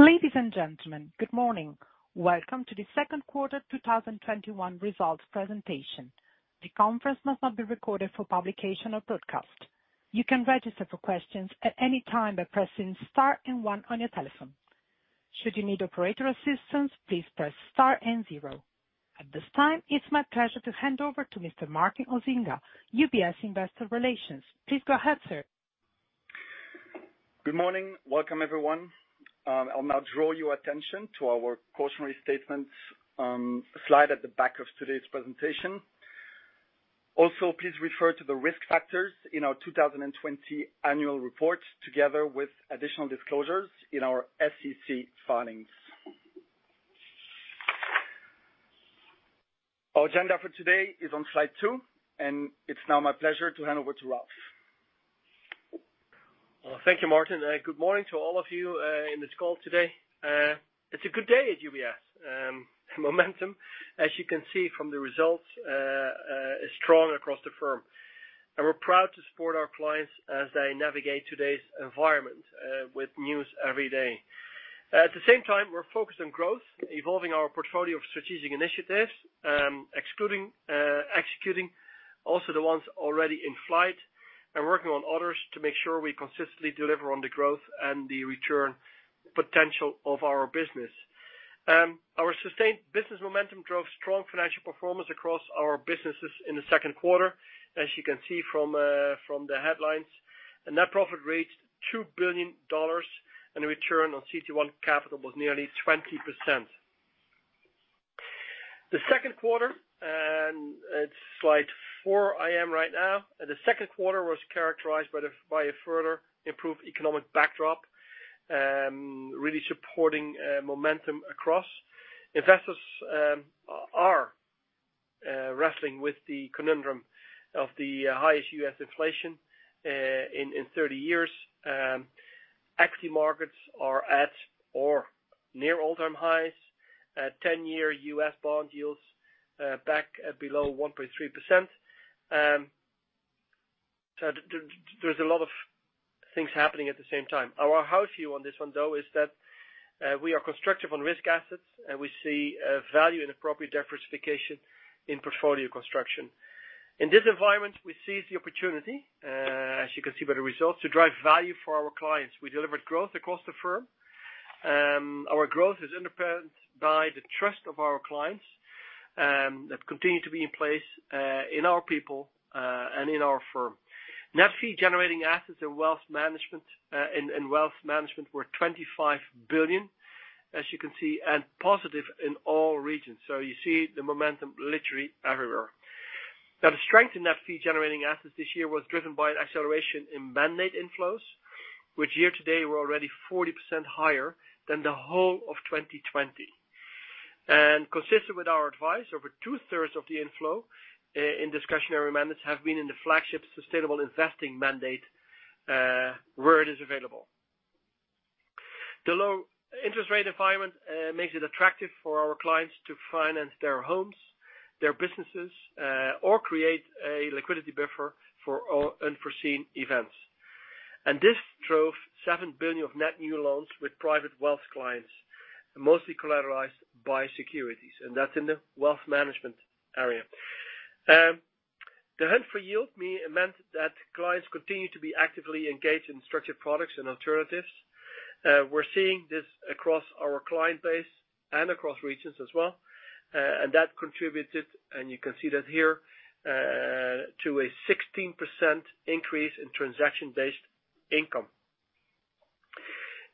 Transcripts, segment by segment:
Ladies and gentlemen, good morning. Welcome to the Second Quarter 2021 Results Presentation. The conference must have been recorded for publication podcast. At this time, it's my pleasure to hand over to Mr. Martin Osinga, UBS Investor Relations. Please go ahead, sir. Good morning. Welcome, everyone. I'll now draw your attention to our cautionary statements slide at the back of today's presentation. Also, please refer to the risk factors in our 2020 annual report, together with additional disclosures in our SEC filings. Our agenda for today is on slide two, and it's now my pleasure to hand over to Ralph. Thank you, Martin. Good morning to all of you in this call today. It's a good day at UBS. Momentum, as you can see from the results, is strong across the firm, and we're proud to support our clients as they navigate today's environment with news every day. At the same time, we're focused on growth, evolving our portfolio of strategic initiatives, executing also the ones already in flight, and working on others to make sure we consistently deliver on the growth and the return potential of our business. Our sustained business momentum drove strong financial performance across our businesses in the second quarter. As you can see from the headlines, the net profit reached $2 billion and the return on CET1 capital was nearly 20%. The second quarter, and it's slide four I am right now. The second quarter was characterized by a further improved economic backdrop, really supporting momentum across. Investors are wrestling with the conundrum of the highest U.S. inflation in 30 years. Equity markets are at or near all-time highs. 10-year U.S. bond yields back below 1.3%. There's a lot of things happening at the same time. Our house view on this one, though, is that we are constructive on risk assets, and we see value in appropriate diversification in portfolio construction. In this environment, we seize the opportunity, as you can see by the results, to drive value for our clients. We delivered growth across the firm. Our growth is underpinned by the trust of our clients, that continue to be in place, in our people, and in our firm. Net fee generating assets in Wealth Management were $25 billion, as you can see, and positive in all regions. You see the momentum literally everywhere. The strength in net fee generating assets this year was driven by an acceleration in mandate inflows, which year-to-date were already 40% higher than the whole of 2020. Consistent with our advice, over two-thirds of the inflow in discretionary mandates have been in the flagship sustainable investing mandate, where it is available. The low interest rate environment makes it attractive for our clients to finance their homes, their businesses, or create a liquidity buffer for all unforeseen events. This drove $7 billion of net new loans with private wealth clients, mostly collateralized by securities, and that's in the Wealth Management area. The hunt for yield meant that clients continue to be actively engaged in structured products and alternatives. We're seeing this across our client base and across regions as well, that contributed and you can see that here, to a 16% increase in transaction-based income.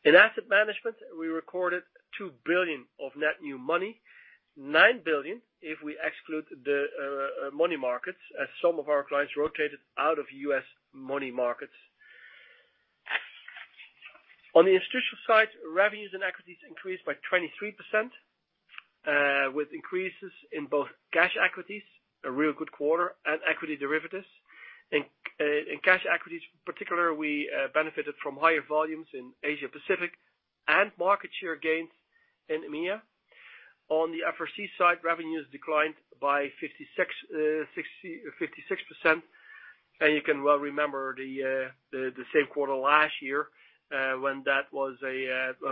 In Asset Management, we recorded $2 billion of net new money, $9 billion if we exclude the money markets, as some of our clients rotated out of U.S. money markets. On the institutional side, revenues and equities increased by 23%, with increases in both cash equities, a real good quarter, and equity derivatives. In cash equities particularly, we benefited from higher volumes in Asia Pacific and market share gains in EMEA. On the FRC side, revenues declined by 56%, you can well remember the same quarter last year, when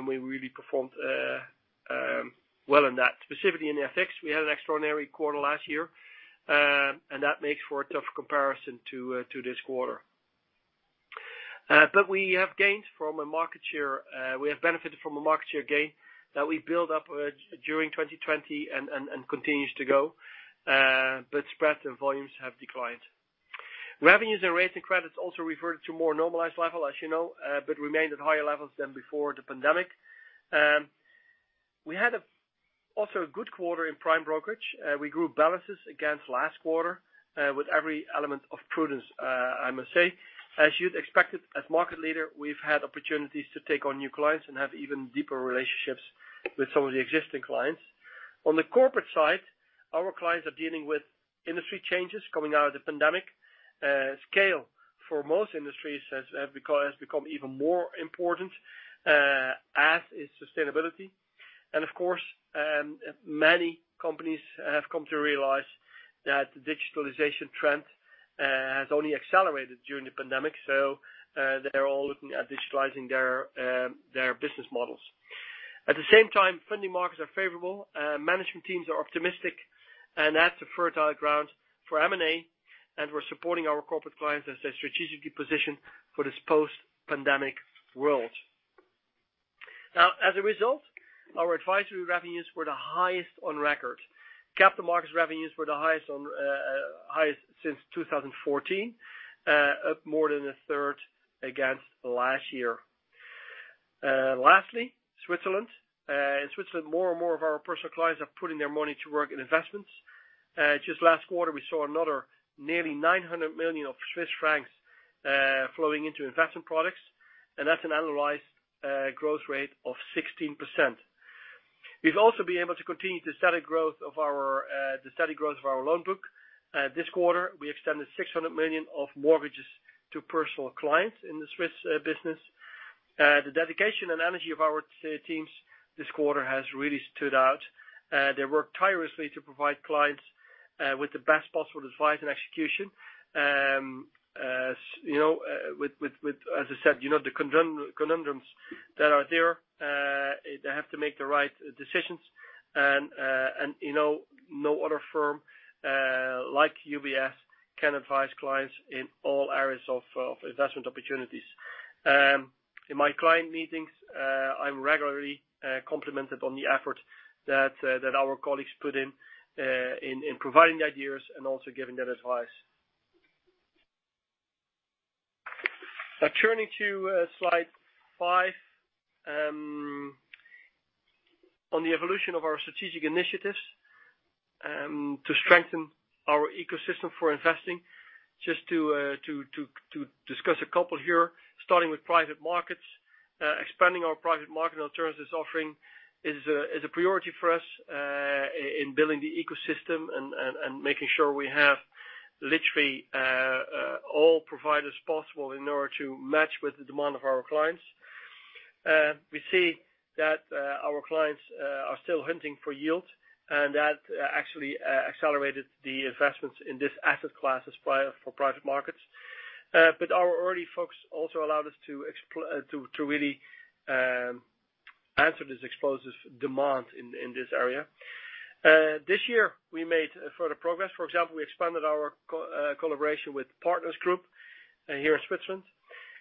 we really performed well in that. Specifically in FX, we had an extraordinary quarter last year, that makes for a tough comparison to this quarter. We have benefited from a market share gain that we built up during 2020 and continues to go, but spreads and volumes have declined. Revenues and rates and credits also reverted to more normalized level, as you know, but remained at higher levels than before the pandemic. We had also a good quarter in prime brokerage. We grew balances against last quarter, with every element of prudence, I must say. As you'd expect, as market leader, we've had opportunities to take on new clients and have even deeper relationships with some of the existing clients. On the corporate side, our clients are dealing with industry changes coming out of the pandemic. Scale for most industries has become even more important, as is sustainability. Of course, many companies have come to realize that the digitalization trend has only accelerated during the pandemic. They're all looking at digitalizing their business models. At the same time, funding markets are favorable, management teams are optimistic, and that's a fertile ground for M&A, and we're supporting our corporate clients as they strategically position for this post-pandemic world. As a result, our advisory revenues were the highest on record. Capital markets revenues were the highest since 2014, up more than a third against last year. Lastly, Switzerland. In Switzerland, more and more of our personal clients are putting their money to work in investments. Just last quarter, we saw another nearly 900 million flowing into investment products, and that's an annualized growth rate of 16%. We've also been able to continue the steady growth of our loan book. This quarter, we extended 600 million of mortgages to personal clients in the Swiss business. The dedication and energy of our teams this quarter has really stood out. They work tirelessly to provide clients with the best possible advice and execution. As I said, the conundrums that are there, they have to make the right decisions, and no other firm like UBS can advise clients in all areas of investment opportunities. In my client meetings, I'm regularly complimented on the effort that our colleagues put in providing the ideas and also giving that advice. Turning to slide five. On the evolution of our strategic initiatives to strengthen our ecosystem for investing, just to discuss a couple here, starting with private markets. Expanding our private market alternatives offering is a priority for us in building the ecosystem and making sure we have literally all providers possible in order to match with the demand of our clients. We see that our clients are still hunting for yield, and that actually accelerated the investments in this asset class for private markets. Our early focus also allowed us to really answer this explosive demand in this area. This year, we made further progress. For example, we expanded our collaboration with Partners Group here in Switzerland.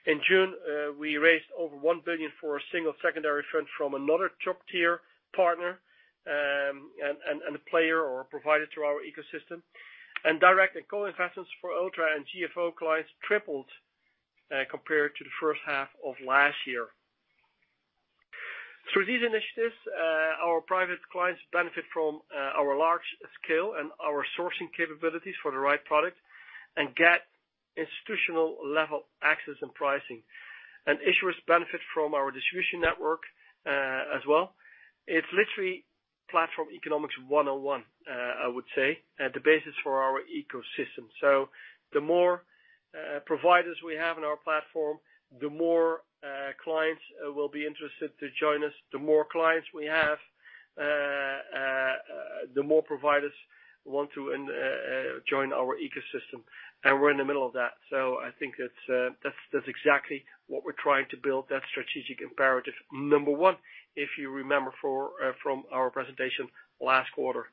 In June, we raised over 1 billion for a single secondary fund from another top-tier partner, and a player or a provider to our ecosystem. Direct and co-investments for Ultra and GFO clients tripled compared to the first half of last year. Through these initiatives, our private clients benefit from our large scale and our sourcing capabilities for the right product and get institutional-level access and pricing. Issuers benefit from our distribution network as well. It's literally platform economics 101, I would say, the basis for our ecosystem. The more providers we have on our platform, the more clients will be interested to join us. The more clients we have, the more providers want to join our ecosystem, and we're in the middle of that. I think that's exactly what we're trying to build, that strategic imperative number one, if you remember from our presentation last quarter.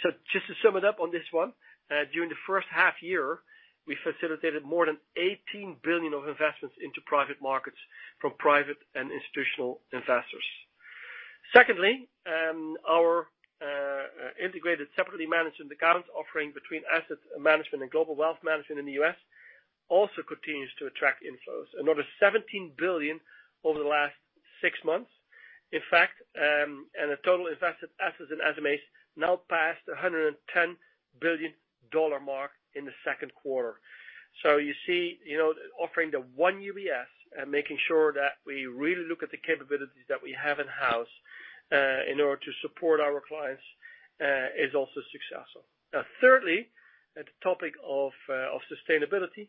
Just to sum it up on this one, during the first half year, we facilitated more than $18 billion of investments into private markets from private and institutional investors. Secondly, our integrated separately managed account offering between Asset Management and Global Wealth Management in the U.S. also continues to attract inflows, another $17 billion over the last six months. In fact, the total invested assets in SMAs now passed the $110 billion mark in the second quarter. You see, offering the one UBS and making sure that we really look at the capabilities that we have in-house in order to support our clients, is also successful. Thirdly, the topic of sustainability.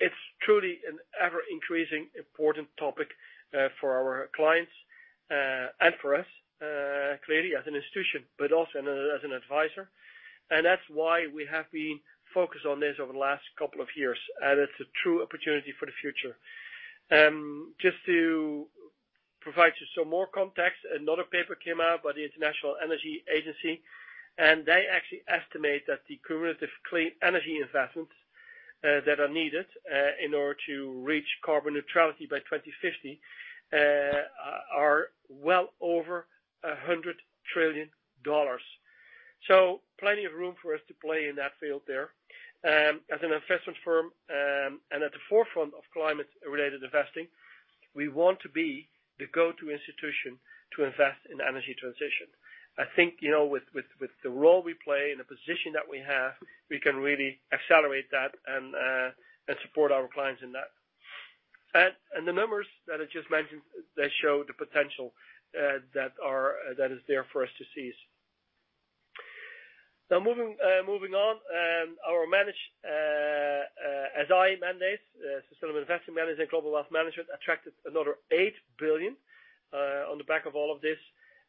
It is truly an ever-increasing important topic for our clients and for us, clearly as an institution but also as an advisor. That's why we have been focused on this over the last couple of years, and it's a true opportunity for the future. Just to provide you some more context, another paper came out by the International Energy Agency, and they actually estimate that the cumulative clean energy investments that are needed in order to reach carbon neutrality by 2050 are well over $100 trillion. Plenty of room for us to play in that field there. As an investment firm, and at the forefront of climate-related investing, we want to be the go-to institution to invest in energy transition. I think, with the role we play and the position that we have, we can really accelerate that and support our clients in that. The numbers that I just mentioned, they show the potential that is there for us to seize. Now moving on, our managed SI mandates, Sustainable Investment management, Global Wealth Management attracted another 8 billion on the back of all of this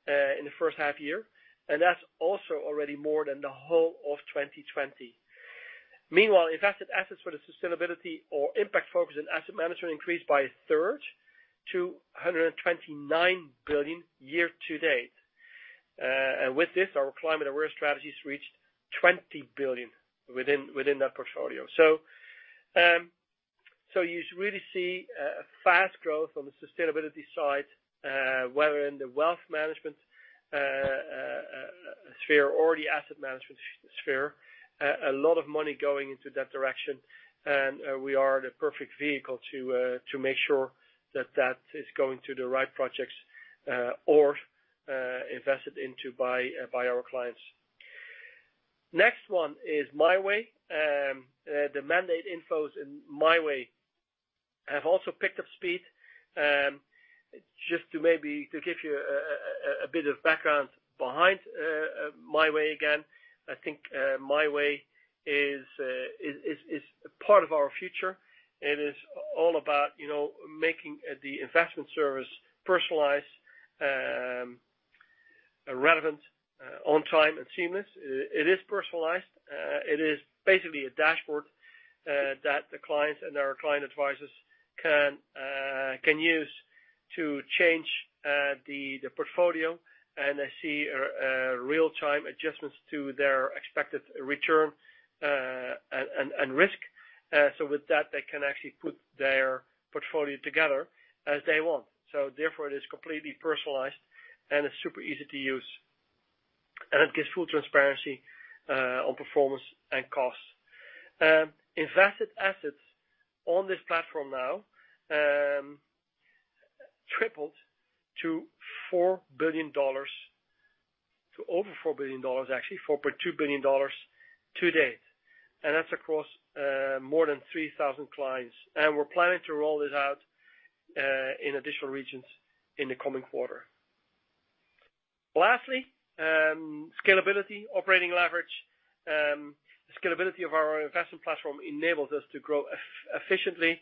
in the first half year. That's also already more than the whole of 2020. Meanwhile, invested assets for the sustainability or impact focus in Asset Management increased by a third to 129 billion year to date. With this, our climate aware strategies reached 20 billion within that portfolio. You should really see a fast growth on the sustainability side, whether in the Wealth Management sphere or the Asset Management sphere, a lot of money going into that direction, and we are the perfect vehicle to make sure that that is going to the right projects or invested into by our clients. Next one is My Way. The mandate info's in My Way have also picked up speed. Just to maybe to give you a bit of background behind My Way again, I think My Way is part of our future. It is all about making the investment service personalized, relevant, on time, and seamless. It is personalized. It is basically a dashboard that the clients and our client advisors can use to change the portfolio, and they see real-time adjustments to their expected return and risk. With that, they can actually put their portfolio together as they want. Therefore, it is completely personalized, and it's super easy to use, and it gives full transparency on performance and costs. Invested assets on this platform now tripled to $4 billion, to over $4 billion, actually, $4.2 billion to date. That's across more than 3,000 clients. We're planning to roll this out in additional regions in the coming quarter. Lastly, scalability, operating leverage. The scalability of our investment platform enables us to grow efficiently.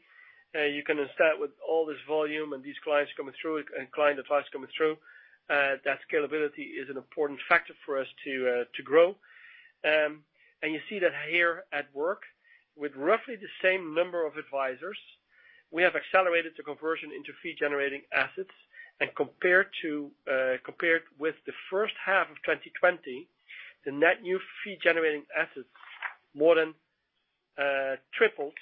You can start with all this volume and these clients coming through and client advice coming through. That scalability is an important factor for us to grow. You see that here at work with roughly the same number of advisors, we have accelerated the conversion into fee-generating assets. Compared with the first half of 2020, the Net New Fee-Generating Assets more than tripled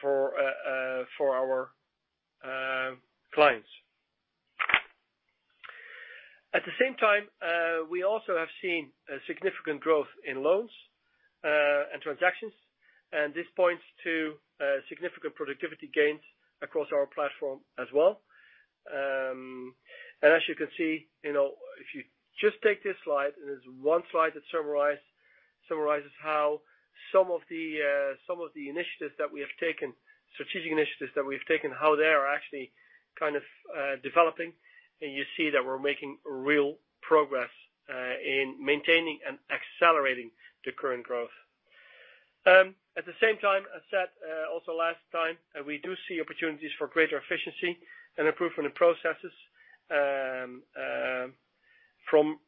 for our clients. At the same time, we also have seen a significant growth in loans and transactions and this points to significant productivity gains across our platform as well. As you can see, if you just take this slide, and it's one slide that summarizes how some of the initiatives that we have taken, strategic initiatives that we've taken, how they are actually kind of developing, and you see that we're making real progress in maintaining and accelerating the current growth. At the same time, I said also last time, we do see opportunities for greater efficiency and improvement in processes from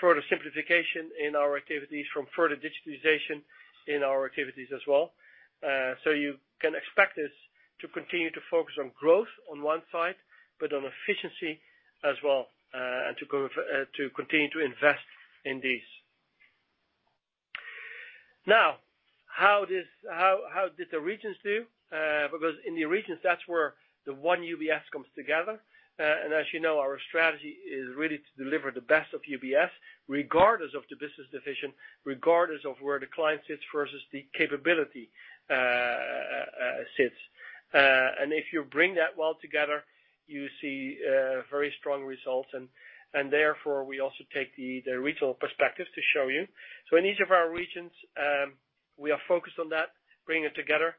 further simplification in our activities, from further digitalization in our activities as well. You can expect us to continue to focus on growth on one side but on efficiency as well, and to continue to invest in these. How did the regions do? In the regions, that's where the one UBS comes together. As you know, our strategy is really to deliver the best of UBS, regardless of the business division, regardless of where the client sits versus the capability sits. If you bring that well together, you see very strong results, and therefore, we also take the regional perspective to show you. In each of our regions, we are focused on that, bringing it together.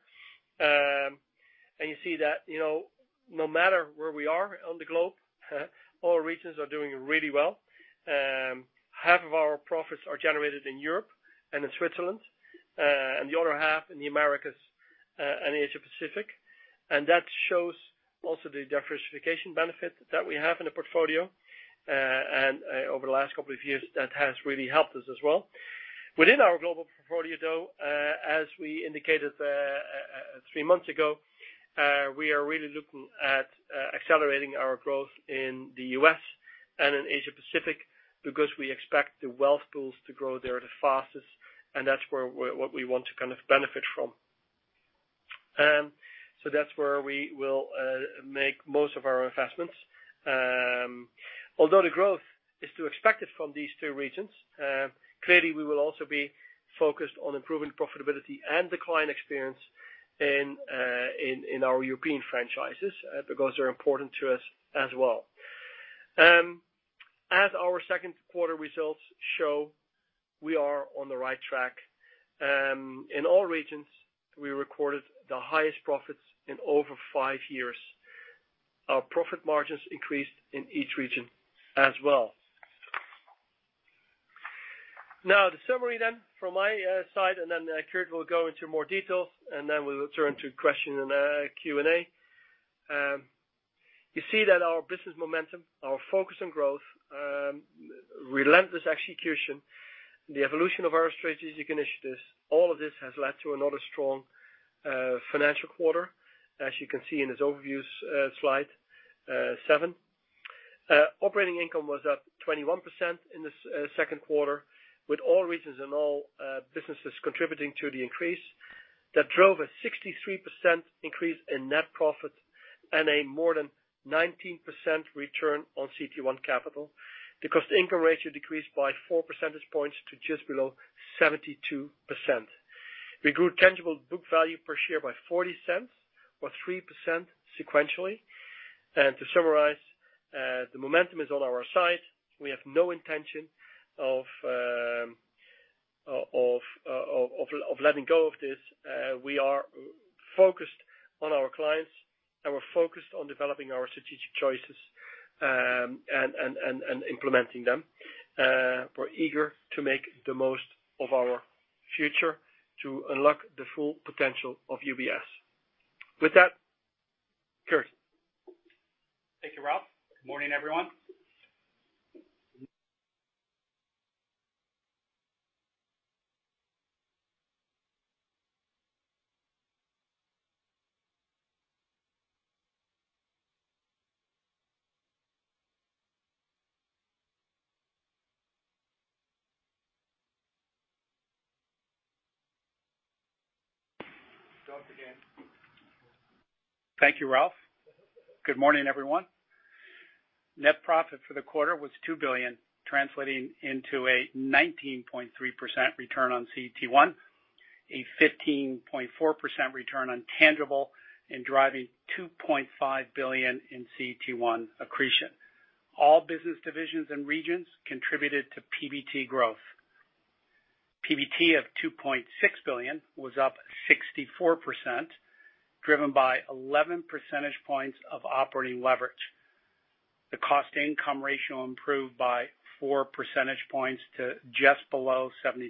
You see that no matter where we are on the globe, all regions are doing really well. Half of our profits are generated in Europe and in Switzerland, and the other half in the Americas and Asia-Pacific. That shows also the diversification benefit that we have in the portfolio. Over the last couple of years, that has really helped us as well. Within our global portfolio, though, as we indicated three months ago, we are really looking at accelerating our growth in the U.S. and in Asia-Pacific because we expect the wealth pools to grow there the fastest, and that's what we want to kind of benefit from. That's where we will make most of our investments. Although the growth is expected from these two regions, clearly, we will also be focused on improving profitability and the client experience in our European franchises because they're important to us as well. Our second quarter results show, we are on the right track. In all regions, we recorded the highest profits in over five years. Our profit margins increased in each region as well. The summary then from my side, and then Kirt will go into more details, and then we will turn to question in Q&A. You see that our business momentum, our focus on growth, relentless execution, the evolution of our strategic initiatives, all of this has led to another strong financial quarter. As you can see in this overview slide seven. Operating income was up 21% in the second quarter, with all regions and all businesses contributing to the increase that drove a 63% increase in net profit and a more than 19% return on CET1 capital. The cost-income ratio decreased by 4 percentage points to just below 72%. We grew tangible book value per share by 0.40 or 3% sequentially. To summarize, the momentum is on our side. We have no intention of letting go of this. We are focused on our clients, and we're focused on developing our strategic choices, and implementing them. We're eager to make the most of our future to unlock the full potential of UBS. With that, Kirt. Thank you, Ralph. Good morning, everyone. Start again. Thank you, Ralph. Good morning, everyone. Net profit for the quarter was 2 billion, translating into a 19.3% return on CET1, a 15.4% return on tangible, and driving 2.5 billion in CET1 accretion. All business divisions and regions contributed to PBT growth. PBT of 2.6 billion was up 64%, driven by 11 percentage points of operating leverage. The cost-income ratio improved by 4 percentage points to just below 72%.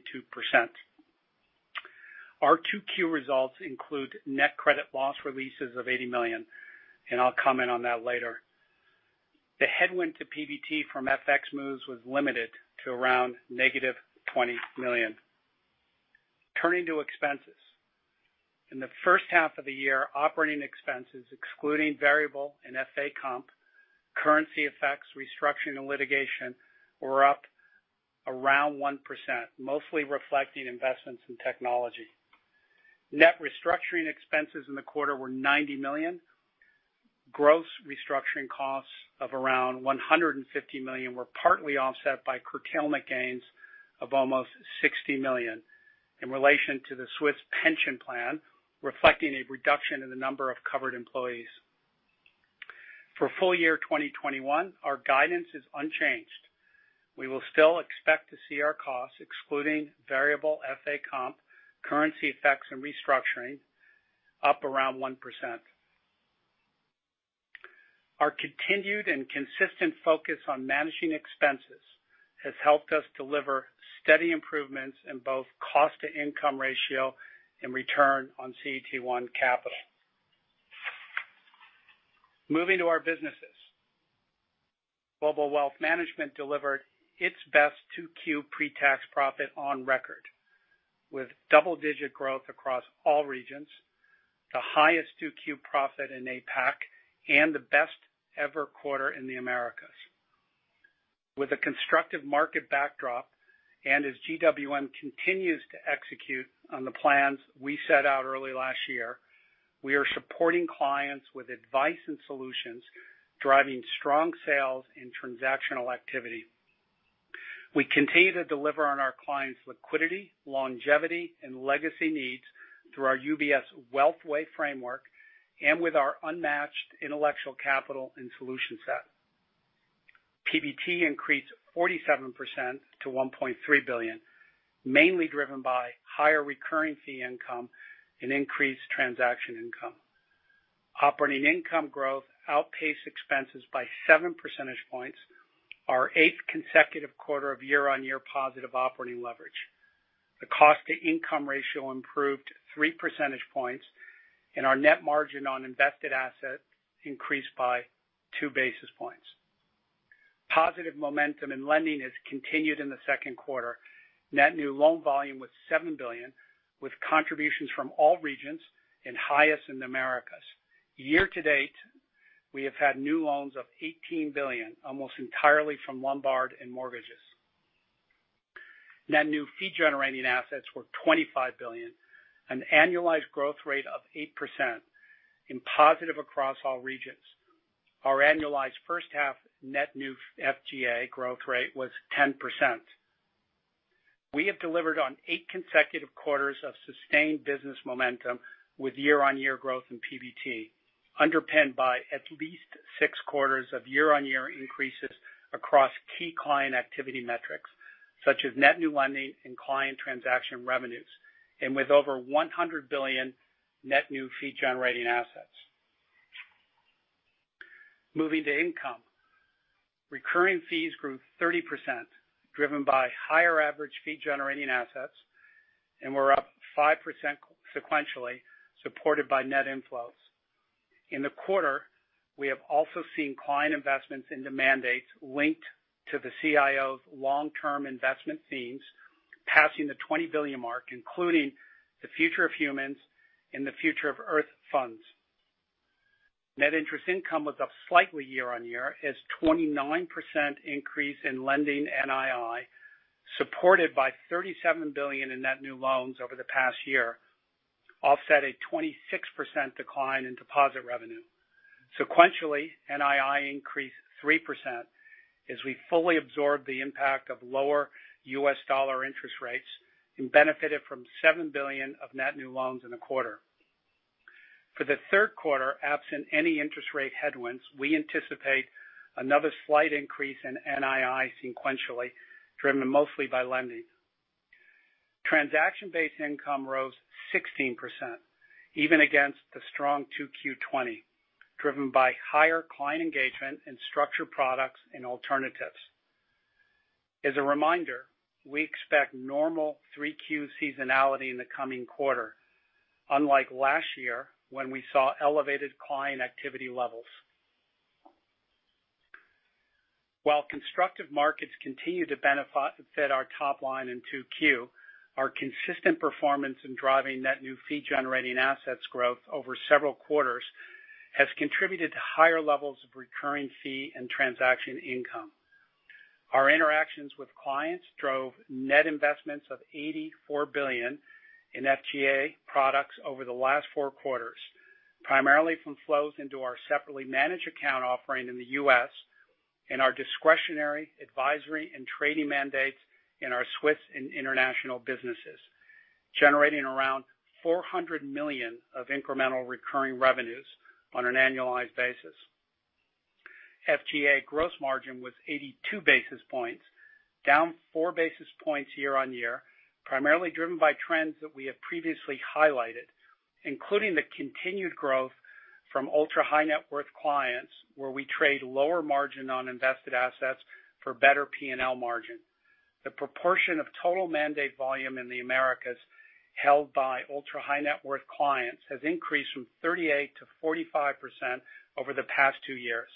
Our Q2 results include net credit loss releases of 80 million, and I'll comment on that later. The headwind to PBT from FX moves was limited to around negative 20 million. Turning to expenses. In the first half of the year, Operating Expenses, excluding variable and FA comp, currency effects, restructuring, and litigation, were up around 1%, mostly reflecting investments in technology. Net restructuring expenses in the quarter were 90 million. Gross restructuring costs of around 150 million were partly offset by curtailment gains of almost 60 million in relation to the Swiss pension plan, reflecting a reduction in the number of covered employees. For full year 2021, our guidance is unchanged. We will still expect to see our costs, excluding variable FA comp, currency effects, and restructuring, up around 1%. Our continued and consistent focus on managing expenses has helped us deliver steady improvements in both cost-to-income ratio and return on CET1 capital. Moving to our businesses. Global Wealth Management delivered its best Q2 pre-tax profit on record, with double-digit growth across all regions, the highest Q2 profit in APAC, and the best-ever quarter in the Americas. With a constructive market backdrop and as GWM continues to execute on the plans we set out early last year, we are supporting clients with advice and solutions, driving strong sales and transactional activity. We continue to deliver on our clients' Liquidity, Longevity, and Legacy needs through our UBS Wealth Way framework and with our unmatched intellectual capital and solution set. PBT increased 47% to 1.3 billion, mainly driven by higher recurring fee income and increased transaction income. Operating income growth outpaced expenses by 7 percentage points, our eigth consecutive quarter of year-on-year positive operating leverage. The cost-to-income ratio improved 3 percentage points, and our net margin on invested assets increased by 2 basis points. Positive momentum in lending has continued in the second quarter. Net new loan volume was 7 billion, with contributions from all regions and highest in the Americas. Year to date, we have had new loans of 18 billion, almost entirely from Lombard and mortgages. Net New Fee-Generating Assets were 25 billion, an annualized growth rate of 8% and positive across all regions. Our annualized first-half net new FGA growth rate was 10%. We have delivered on eight consecutive quarters of sustained business momentum with year-on-year growth in PBT, underpinned by at least six quarters of year-on-year increases across key client activity metrics. Such as net new lending and client transaction revenues, and with over 100 billion Net New Fee-Generating Assets. Moving to income. Recurring fees grew 30%, driven by higher average fee-generating assets. We're up 5% sequentially, supported by net inflows. In the quarter, we have also seen client investments into mandates linked to the CIO's long-term investment themes, passing the 20 billion mark, including the Future of Humans and the Future of Earth funds. Net interest income was up slightly year-on-year as 29% increase in lending NII, supported by 37 billion in net new loans over the past year, offset a 26% decline in deposit revenue. Sequentially, NII increased 3% as we fully absorbed the impact of lower US dollar interest rates and benefited from $7 billion of net new loans in the quarter. For the third quarter, absent any interest rate headwinds, we anticipate another slight increase in NII sequentially, driven mostly by lending. Transaction-based income rose 16%, even against the strong 2Q20, driven by higher client engagement in structured products and alternatives. As a reminder, we expect normal 3Q seasonality in the coming quarter, unlike last year, when we saw elevated client activity levels. While constructive markets continue to benefit our top line in 2Q, our consistent performance in driving Net New Fee-Generating Assets growth over several quarters has contributed to higher levels of recurring fee and transaction income. Our interactions with clients drove net investments of 84 billion in FGA products over the last four quarters, primarily from flows into our separately managed account offering in the U.S. and our discretionary advisory and trading mandates in our Swiss and international businesses, generating around 400 million of incremental recurring revenues on an annualized basis. FGA gross margin was 82 basis points, down four basis points year-on-year, primarily driven by trends that we have previously highlighted, including the continued growth from ultra-high-net-worth clients, where we trade lower margin on invested assets for better P&L margin. The proportion of total mandate volume in the Americas held by ultra-high-net-worth clients has increased from 38% to 45% over the past two years,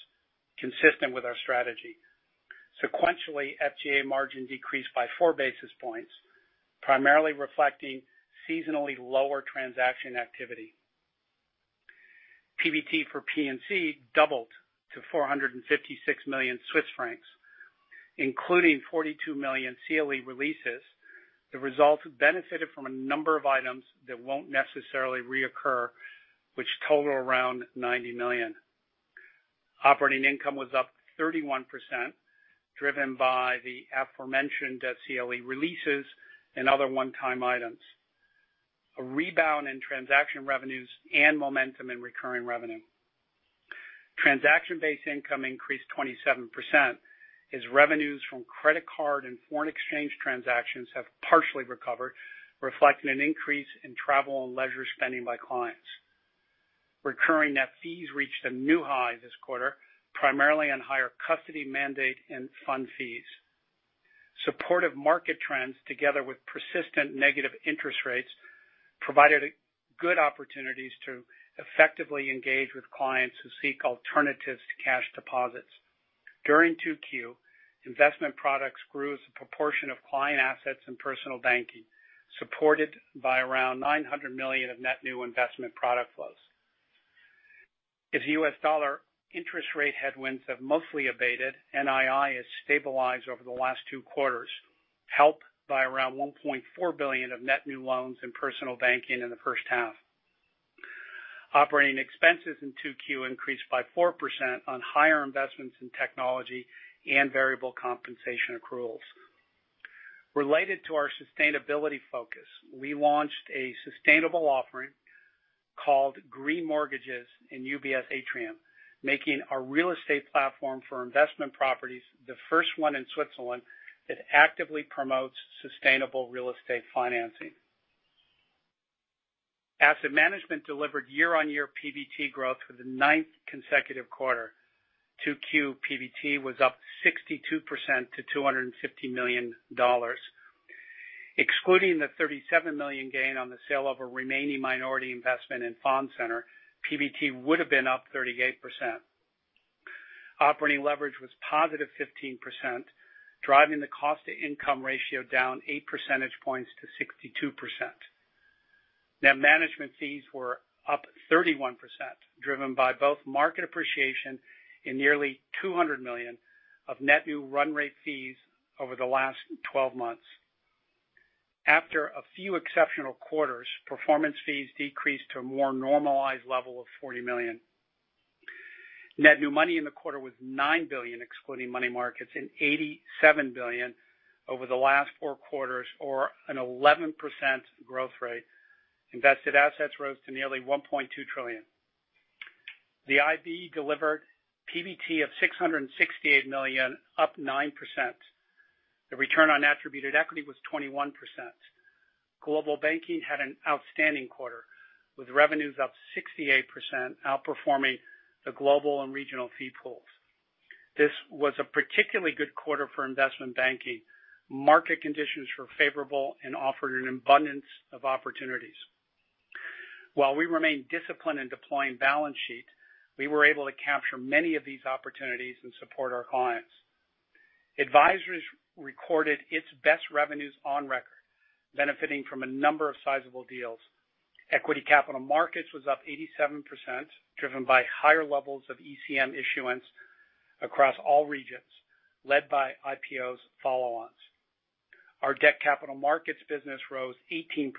consistent with our strategy. Sequentially, FGA margin decreased by 4 basis points, primarily reflecting seasonally lower transaction activity. PBT for P&C doubled to 456 million Swiss francs, including 42 million CLE releases. The results benefited from a number of items that won't necessarily reoccur, which total around 90 million. Operating income was up 31%, driven by the aforementioned CLE releases and other one-time items, a rebound in transaction revenues and momentum in recurring revenue. Transaction-based income increased 27% as revenues from credit card and foreign exchange transactions have partially recovered, reflecting an increase in travel and leisure spending by clients. Recurring net fees reached a new high this quarter, primarily on higher custody mandate and fund fees. Supportive market trends, together with persistent negative interest rates, provided good opportunities to effectively engage with clients who seek alternatives to cash deposits. During 2Q, investment products grew as a proportion of client assets in personal banking, supported by around $900 million of net new investment product flows. As U.S. dollar interest rate headwinds have mostly abated, NII has stabilized over the last two quarters, helped by around $1.4 billion of net new loans in personal banking in the first half. Operating Expenses in 2Q increased by 4% on higher investments in technology and variable compensation accruals. Related to our sustainability focus, we launched a sustainable offering called Green Mortgages in UBS Atrium, making our real estate platform for investment properties the first one in Switzerland that actively promotes sustainable real estate financing. Asset Management delivered year-on-year PBT growth for the ninth consecutive quarter. 2Q PBT was up 62% to $250 million. Excluding the $37 million gain on the sale of a remaining minority investment in Fund Centre, PBT would have been up 38%. Operating leverage was positive 15%, driving the cost-to-income ratio down 8 percentage points to 62%. Net management fees were up 31%, driven by both market appreciation and nearly 200 million of net new run rate fees over the last 12 months. After a few exceptional quarters, performance fees decreased to a more normalized level of 40 million. Net new money in the quarter was 9 billion, excluding money markets, and 87 billion over the last four quarters, or an 11% growth rate. Invested assets rose to nearly 1.2 trillion. The IB delivered PBT of 668 million, up 9%. The return on attributed equity was 21%. Global Banking had an outstanding quarter, with revenues up 68%, outperforming the global and regional fee pools. This was a particularly good quarter for investment banking. Market conditions were favorable and offered an abundance of opportunities. While we remain disciplined in deploying balance sheet, we were able to capture many of these opportunities and support our clients. Advisors recorded its best revenues on record, benefiting from a number of sizable deals. Equity capital markets was up 87%, driven by higher levels of ECM issuance across all regions, led by IPOs follow-ons. Our debt capital markets business rose 18%,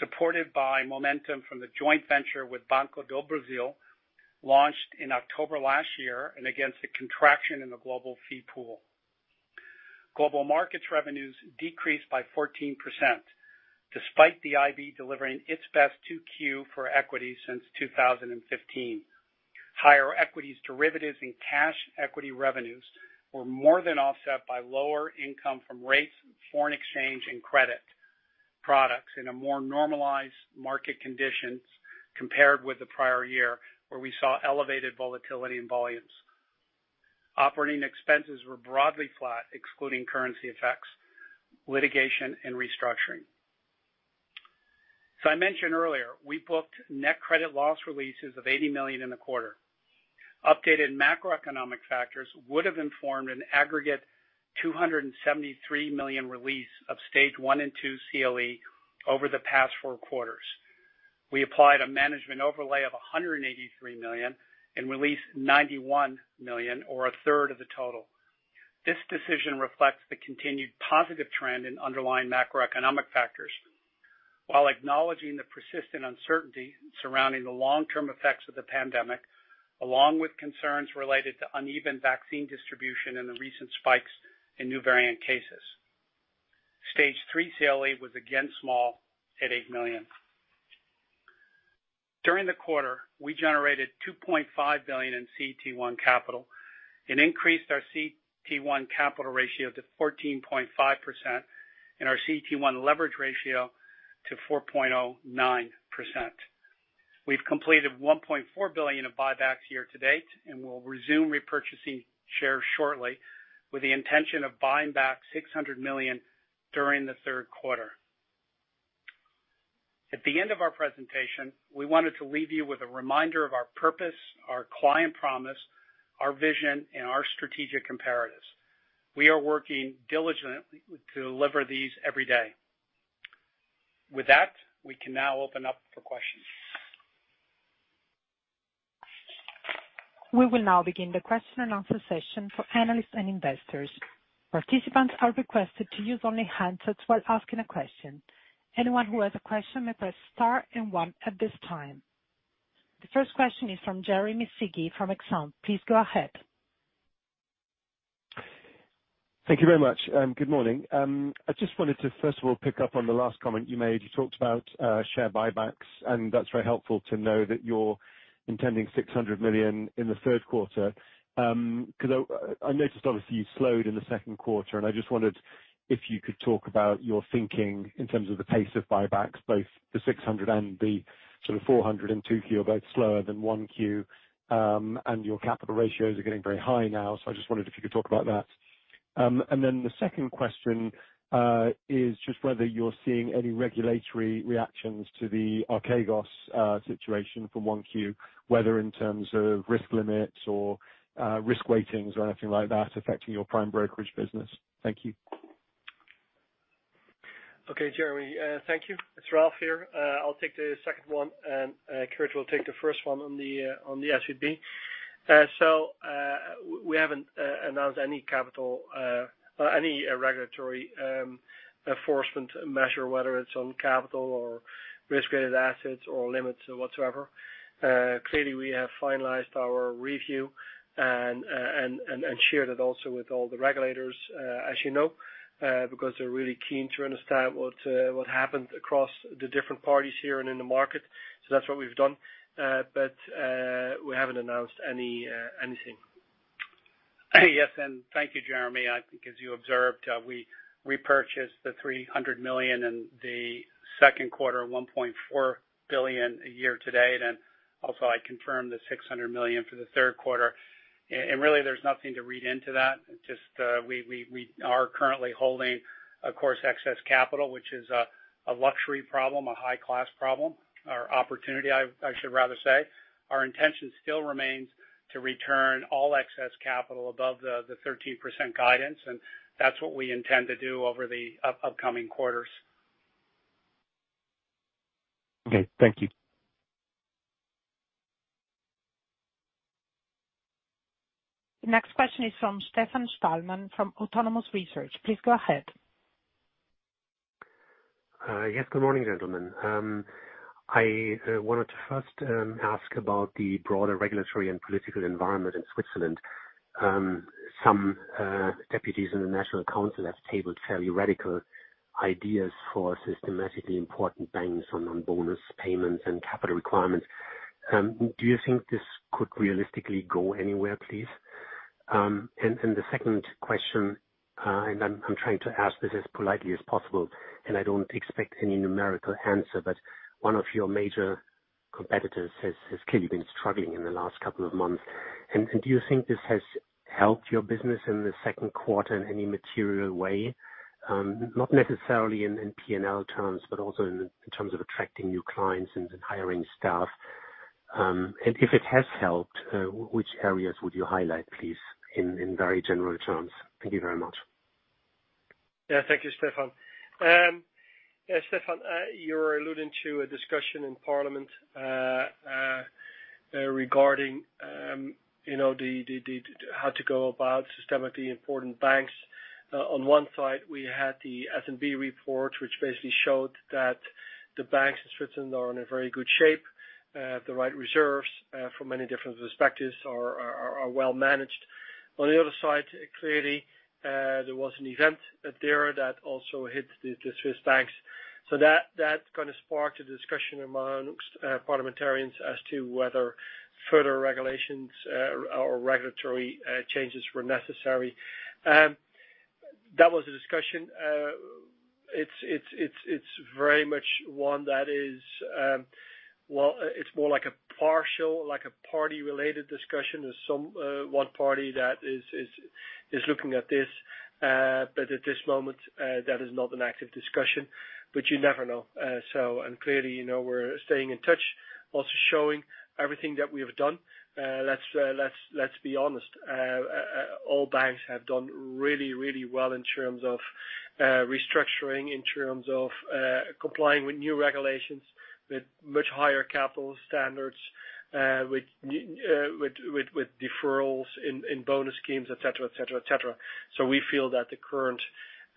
supported by momentum from the joint venture with Banco do Brasil, launched in October last year, and against a contraction in the global fee pool. Global Markets revenues decreased by 14%, despite the IB delivering its best 2Q for equity since 2015. Higher equities derivatives and cash equity revenues were more than offset by lower income from rates, foreign exchange, and credit products in a more normalized market conditions compared with the prior year, where we saw elevated volatility in volumes. Operating Expenses were broadly flat, excluding currency effects, litigation, and restructuring. I mentioned earlier, we booked net credit loss releases of 80 million in the quarter. Updated macroeconomic factors would've informed an aggregate 273 million release of stage 1 and 2 CLE over the past four quarters. We applied a management overlay of 183 million and released 91 million, or a third of the total. This decision reflects the continued positive trend in underlying macroeconomic factors, while acknowledging the persistent uncertainty surrounding the long-term effects of the pandemic, along with concerns related to uneven vaccine distribution and the recent spikes in new variant cases. Stage 3 CLE was again small at 8 million. During the quarter, we generated 2.5 billion in CET1 capital and increased our CET1 capital ratio to 14.5%, and our CET1 leverage ratio to 4.09%. We've completed 1.4 billion of buybacks year to date, and we'll resume repurchasing shares shortly with the intention of buying back 600 million during the third quarter. At the end of our presentation, we wanted to leave you with a reminder of our purpose, our client promise, our vision, and our strategic imperatives. We are working diligently to deliver these every day. With that, we can now open up for questions. We will now begin the question and answer session for analysts and investors. Participants are requested to use only handsets while asking a question. Anyone who has a question may press star and one at this time. The first question is from Jeremy Sigee from Exane. Please go ahead. Thank you very much. Good morning. I just wanted to first of all pick up on the last comment you made. You talked about share buybacks, that's very helpful to know that you're intending 600 million in the third quarter. I noticed obviously you slowed in the second quarter, I just wondered if you could talk about your thinking in terms of the pace of buybacks, both the 600 million and the sort of 400 million in 2Q are both slower than 1Q, and your capital ratios are getting very high now. I just wondered if you could talk about that. Then the second question is just whether you're seeing any regulatory reactions to the Archegos situation from 1Q, whether in terms of risk limits or risk weightings or anything like that affecting your prime brokerage business. Thank you. Okay, Jeremy. Thank you. It is Ralph here. I will take the second one, and Kirt will take the first one on the SVB. We haven't announced any regulatory enforcement measure, whether it's on capital or risk-rated assets or limits whatsoever. Clearly, we have finalized our review and shared it also with all the regulators, as you know, because they're really keen to understand what happened across the different parties here and in the market. That's what we've done. We haven't announced anything. Yes, thank you, Jeremy. I think as you observed, we repurchased 300 million in the second quarter, 1.4 billion year to date. I also confirm 600 million for the third quarter. Really, there's nothing to read into that. Just we are currently holding, of course, excess capital, which is a luxury problem, a high-class problem. Opportunity, I should rather say. Our intention still remains to return all excess capital above the 13% guidance. That's what we intend to do over the upcoming quarters. Okay. Thank you. The next question is from Stefan Stalmann from Autonomous Research. Please go ahead. Yes, good morning, gentlemen. I wanted to first ask about the broader regulatory and political environment in Switzerland. Some deputies in the National Council have tabled fairly radical ideas for systematically important banks on bonus payments and capital requirements. Do you think this could realistically go anywhere, please? The second question, I'm trying to ask this as politely as possible, I don't expect any numerical answer, one of your major competitors has clearly been struggling in the last couple of months. Do you think this has helped your business in the second quarter in any material way? Not necessarily in P&L terms, but also in terms of attracting new clients and hiring staff. If it has helped, which areas would you highlight, please, in very general terms? Thank you very much. Thank you, Stefan. Stefan, you're alluding to a discussion in Parliament regarding how to go about systemically important banks. On one side, we had the SNB report, which basically showed that the banks in Switzerland are in a very good shape, have the right reserves, from many different perspectives are well managed. On the other side, clearly, there was an event there that also hit the Swiss banks. That kind of sparked a discussion amongst parliamentarians as to whether further regulations or regulatory changes were necessary. That was a discussion. It's very much one that is more like a partial, like a party-related discussion. There's one party that is looking at this. At this moment, that is not an active discussion. You never know. Clearly, we're staying in touch, also showing everything that we have done. Let's be honest. All banks have done really, really well in terms of restructuring, in terms of complying with new regulations with much higher capital standards, with deferrals in bonus schemes, et cetera. We feel that the current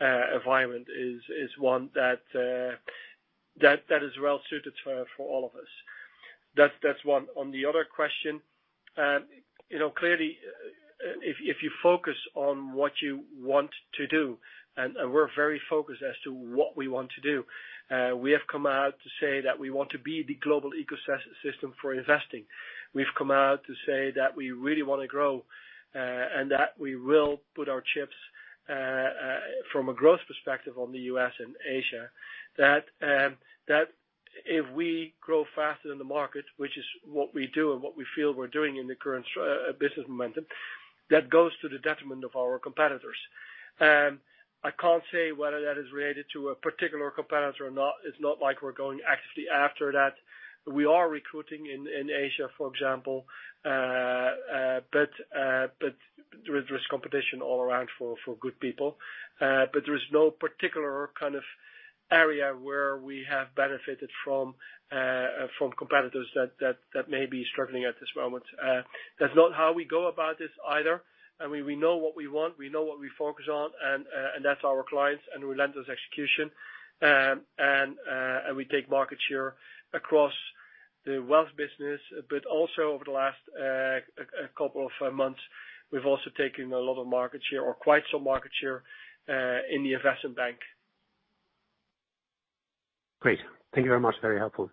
environment is one that is well suited for all of us. That's one. On the other question, clearly, if you focus on what you want to do, and we're very focused as to what we want to do. We have come out to say that we want to be the global ecosystem for investing. We've come out to say that we really want to grow, and that we will put our chips from a growth perspective on the U.S. and Asia, that if we grow faster than the market which is what we do and what we feel we're doing in the current business momentum, that goes to the detriment of our competitors. I can't say whether that is related to a particular competitor or not. It's not like we're going actively after that. We are recruiting in Asia, for example, but there is competition all around for good people. There is no particular kind of area where we have benefited from competitors that may be struggling at this moment. That's not how we go about this either. We know what we want, we know what we focus on, and that's our clients, and relentless execution. We take market share across the wealth business, but also over the last couple of months, we've also taken a lot of market share or quite some market share, in the Investment Bank. Great. Thank you very much. Very helpful.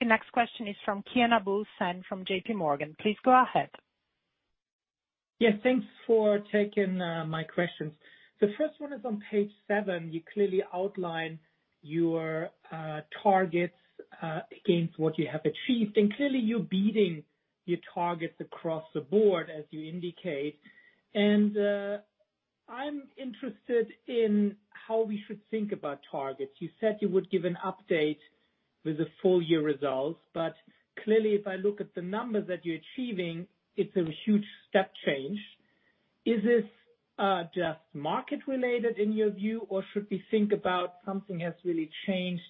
The next question is from Kian Abouhossein and from JPMorgan. Please go ahead. Yes, thanks for taking my questions. The first one is on page seven. You clearly outline your targets against what you have achieved, and clearly you're beating your targets across the board, as you indicate. I'm interested in how we should think about targets. You said you would give an update with the full year results, but clearly, if I look at the numbers that you're achieving, it's a huge step change. Is this just market-related in your view, or should we think about something has really changed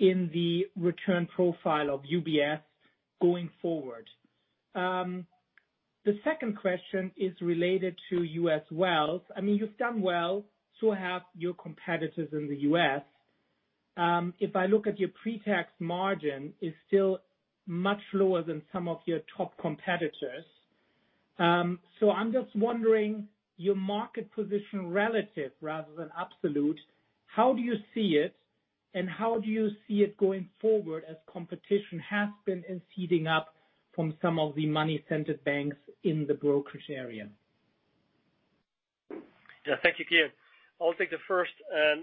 in the return profile of UBS going forward? The second question is related to U.S. wealth. You've done well, so have your competitors in the U.S. If I look at your pre-tax margin, it's still much lower than some of your top competitors. I'm just wondering, your market position relative rather than absolute, how do you see it, and how do you see it going forward as competition has been speeding up from some of the money-centered banks in the brokerage area? Yeah. Thank you, Kian. I'll take the first and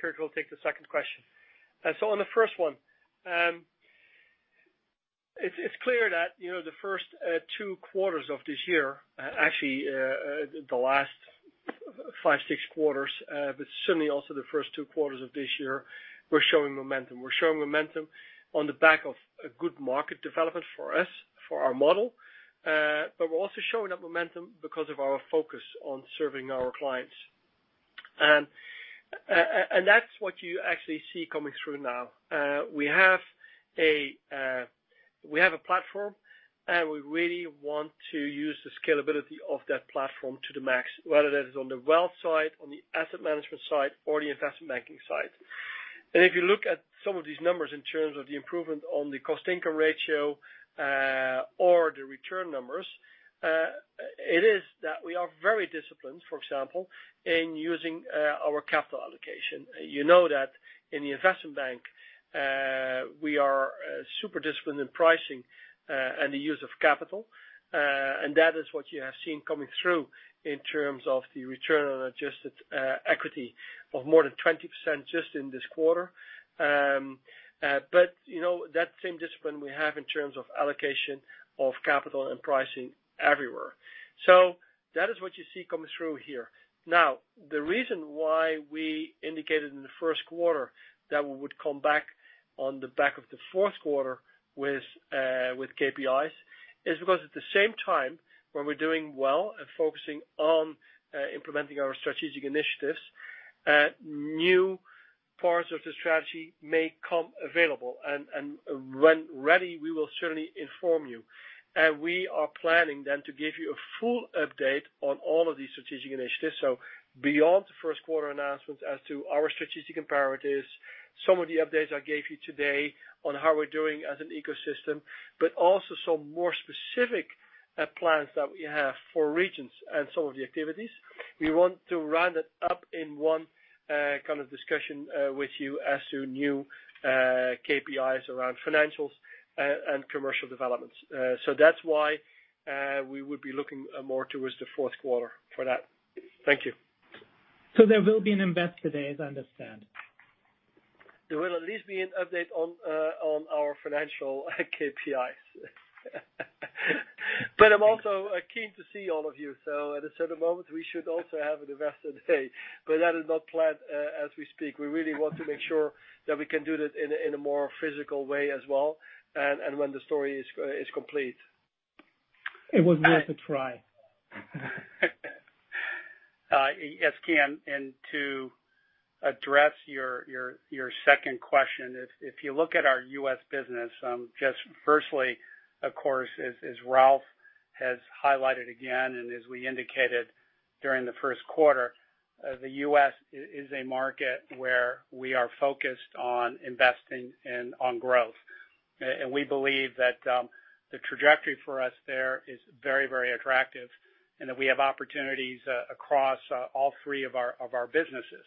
Kirt will take the second question. On the first one, it's clear that the first two quarters of this year, actually, the last five, six quarters, but certainly also the first two quarters of this year, we're showing momentum. We're showing momentum on the back of a good market development for us, for our model, but we're also showing that momentum because of our focus on serving our clients. That's what you actually see coming through now. We have a platform, and we really want to use the scalability of that platform to the max, whether that is on the Wealth side, on the Asset Management side or the Investment Bank side. If you look at some of these numbers in terms of the improvement on the cost-income ratio, or the return numbers, it is that we are very disciplined, for example, in using our capital allocation. You know that in the Investment Bank, we are super disciplined in pricing and the use of capital. That is what you have seen coming through in terms of the Return On Adjusted Equity of more than 20% just in this quarter. That same discipline we have in terms of allocation of capital and pricing everywhere. That is what you see coming through here. The reason why we indicated in the first quarter that we would come back on the back of the fourth quarter with KPIs is because at the same time, when we're doing well and focusing on implementing our strategic initiatives, new parts of the strategy may come available. When ready, we will certainly inform you. We are planning then to give you a full update on all of these strategic initiatives. Beyond the first quarter announcements as to our strategic imperatives, some of the updates I gave you today on how we're doing as an ecosystem, but also some more specific plans that we have for regions and some of the activities. We want to round it up in one kind of discussion with you as to new KPIs around financials and commercial developments. That's why we would be looking more towards the fourth quarter for that. Thank you. There will be an Investor Day, as I understand. There will at least be an update on our financial KPIs. I'm also keen to see all of you. At a certain moment, we should also have an Investor Day, but that is not planned as we speak. We really want to make sure that we can do that in a more physical way as well, and when the story is complete. It was worth a try. Yes, Kian, to address your second question, if you look at our U.S. business, just firstly, of course, as Ralph has highlighted again as we indicated during the first quarter, the U.S. is a market where we are focused on investing and, on growth. We believe that the trajectory for us there is very attractive, and that we have opportunities across all three of our businesses.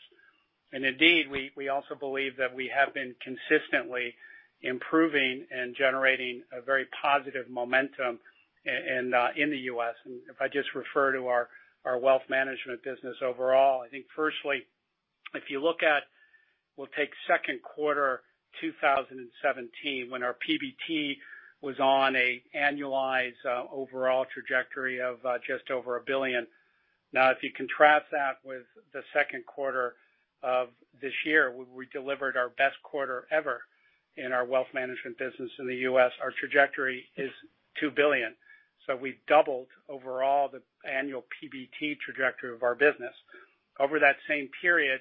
Indeed, we also believe that we have been consistently improving and generating a very positive momentum in the U.S. If I just refer to our Wealth Management business overall, I think firstly, if you look at, we'll take second quarter 2017 when our PBT was on a annualized overall trajectory of just over 1 billion. If you contrast that with the second quarter of this year, we delivered our best quarter ever in our Wealth Management business in the U.S. Our trajectory is $2 billion. We've doubled overall the annual PBT trajectory of our business. Over that same period,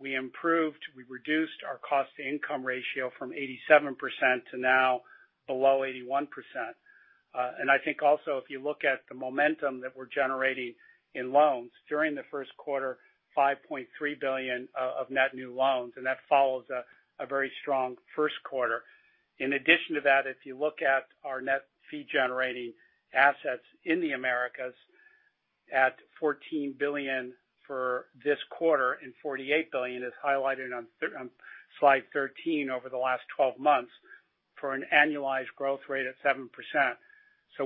we reduced our cost-to-income ratio from 87% to now below 81%. I think also, if you look at the momentum that we're generating in loans during the first quarter, $5.3 billion of net new loans, and that follows a very strong first quarter. In addition to that, if you look at our net fee-generating assets in the Americas at $14 billion for this quarter and $48 billion, as highlighted on slide 13 over the last 12 months, for an annualized growth rate of 7%.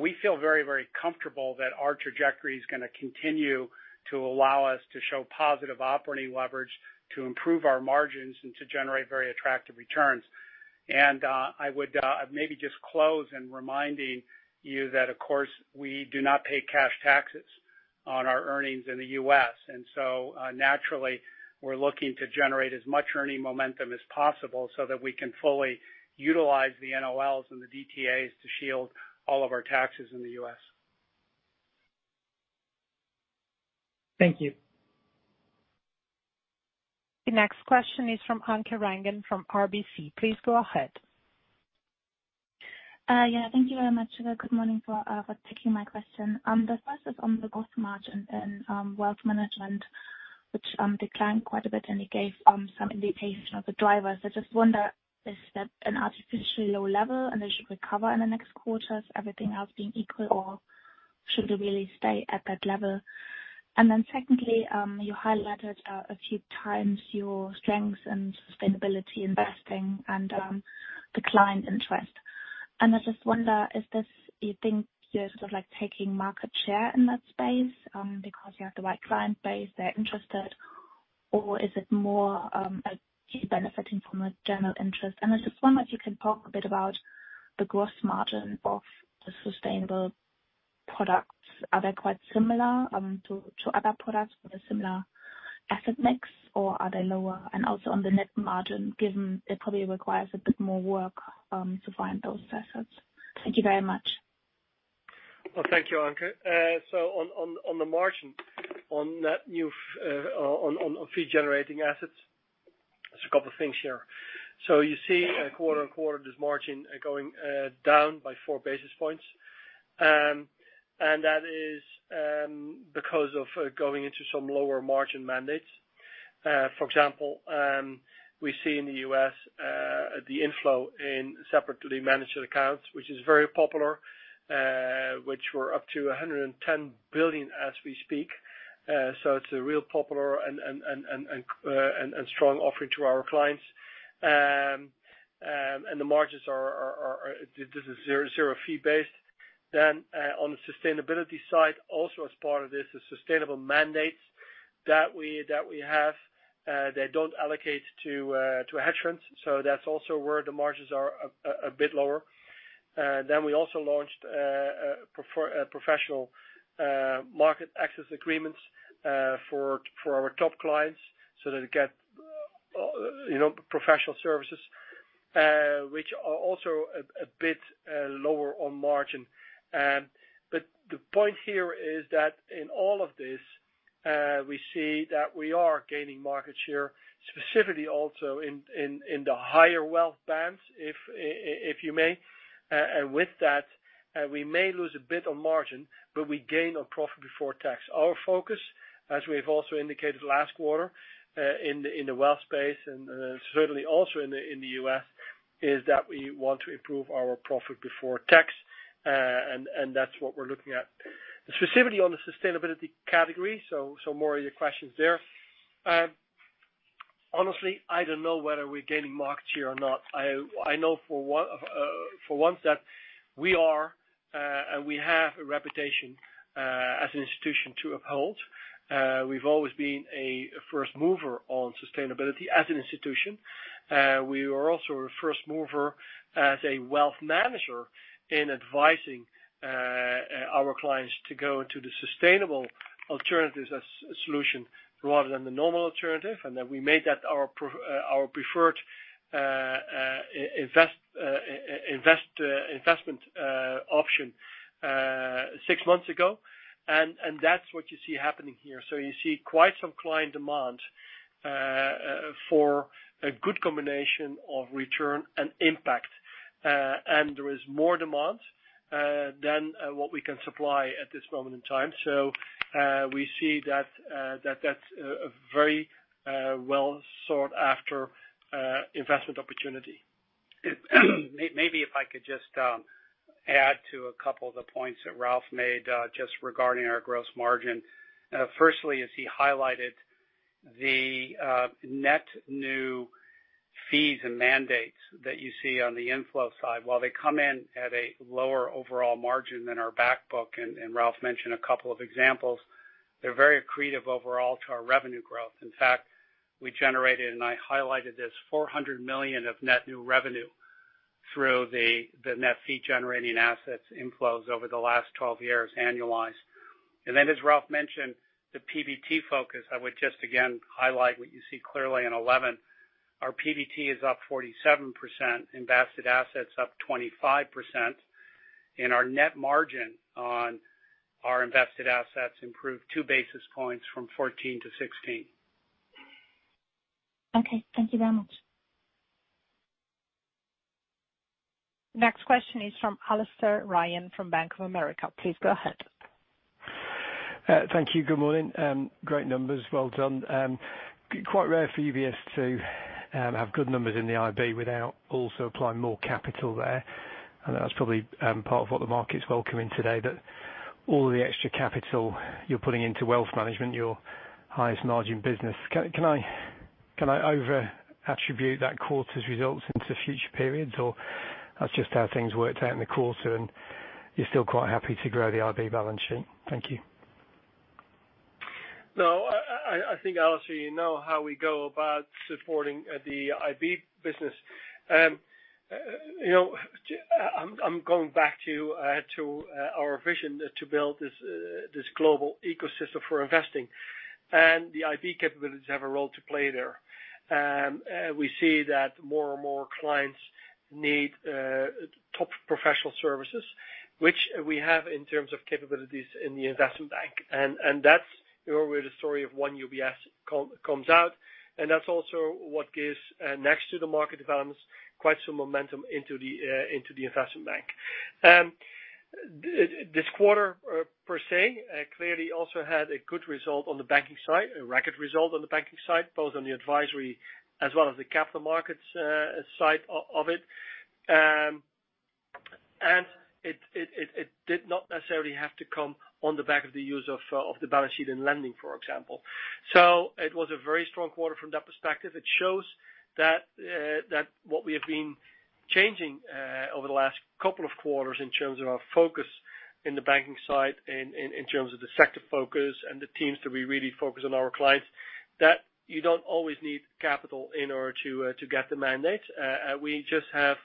We feel very comfortable that our trajectory is going to continue to allow us to show positive operating leverage, to improve our margins, and to generate very attractive returns. I would maybe just close in reminding you that, of course, we do not pay cash taxes on our earnings in the U.S. Naturally, we are looking to generate as much earning momentum as possible so that we can fully utilize the NOLs and the DTAs to shield all of our taxes in the U.S. Thank you. The next question is from Anke Reingen from RBC. Please go ahead. Yeah, thank you very much. Good morning for taking my question. The first is on the gross margin in Wealth Management, which declined quite a bit, and it gave some indication of the drivers. I just wonder, is that an artificially low level and it should recover in the next quarters, everything else being equal? Should it really stay at that level? Secondly, you highlighted a few times your strengths in sustainability investing and the client interest. I just wonder, do you think you're sort of taking market share in that space because you have the right client base, they're interested, or is it more a key benefiting from a general interest? I just wonder if you can talk a bit about the gross margin of the sustainable products. Are they quite similar to other products with a similar asset mix, or are they lower? Also on the net margin, given it probably requires a bit more work to find those assets. Thank you very much. Well, thank you, Anke. On the margin on net new on fee generating assets, there's a couple of things here. You see quarter-on-quarter, this margin going down by 4 basis points. That is because of going into some lower margin mandates. For example, we see in the U.S. the inflow in Separately Managed Accounts, which is very popular, which we're up to 110 billion as we speak. It's a real popular and strong offering to our clients. The margins, this is zero fee based. On the sustainability side, also as part of this, the sustainable mandates that we have, they don't allocate to hedge funds. That's also where the margins are a bit lower. We also launched professional market access agreements for our top clients so that they get professional services, which are also a bit lower on margin. The point here is that in all of this, we see that we are gaining market share, specifically also in the higher wealth bands, if you may. With that, we may lose a bit on margin, but we gain on profit before tax. Our focus, as we've also indicated last quarter, in the wealth space and certainly also in the U.S., is that we want to improve our profit before tax. That's what we're looking at. Specifically on the sustainability category, so more of your questions there. Honestly, I don't know whether we're gaining market share or not. I know for once that we have a reputation as an institution to uphold. We've always been a first mover on sustainability as an institution. We were also a first mover as a wealth manager in advising our clients to go into the sustainable alternatives solution rather than the normal alternative. That we made that our preferred investment option six months ago. That's what you see happening here. You see quite some client demand for a good combination of return and impact. There is more demand than what we can supply at this moment in time. We see that's a very well-sought after investment opportunity. Maybe if I could just add to a couple of the points that Ralph made, just regarding our gross margin. Firstly, as he highlighted the net new fees and mandates that you see on the inflow side, while they come in at a lower overall margin than our back book, and Ralph mentioned a couple of examples, they're very accretive overall to our revenue growth. In fact, we generated, and I highlighted this, 400 million of net new revenue through the net fee-generating assets inflows over the last 12 years annualized. As Ralph mentioned, the PBT focus, I would just again highlight what you see clearly in 11. Our PBT is up 47%, invested assets up 25%, and our net margin on our invested assets improved 2 basis points from 14 to 16. Okay. Thank you very much. Next question is from Alastair Ryan from Bank of America. Please go ahead. Thank you. Good morning. Great numbers. Well done. Quite rare for UBS to have good numbers in the IB without also applying more capital there. I know that's probably part of what the market's welcoming today, that all the extra capital you're putting into Wealth Management, your highest margin business. Can I over attribute that quarter's results into future periods, or that's just how things worked out in the quarter and you're still quite happy to grow the IB balance sheet? Thank you. No, I think, Alastair, you know how we go about supporting the IB business. I'm going back to our vision to build this global ecosystem for investing and the IB capabilities have a role to play there. We see that more and more clients need top professional services, which we have in terms of capabilities in the Investment Bank. That's where the story of one UBS comes out. That's also what gives, next to the market developments, quite some momentum into the Investment Bank. This quarter per se, clearly also had a good result on the banking side, a record result on the banking side, both on the advisory as well as the capital markets side of it. It did not necessarily have to come on the back of the use of the balance sheet and lending, for example. It was a very strong quarter from that perspective. It shows that what we have been changing over the last couple of quarters in terms of our focus in the banking side and in terms of the sector focus and the teams that we really focus on our clients, that you don't always need capital in order to get the mandate. We just have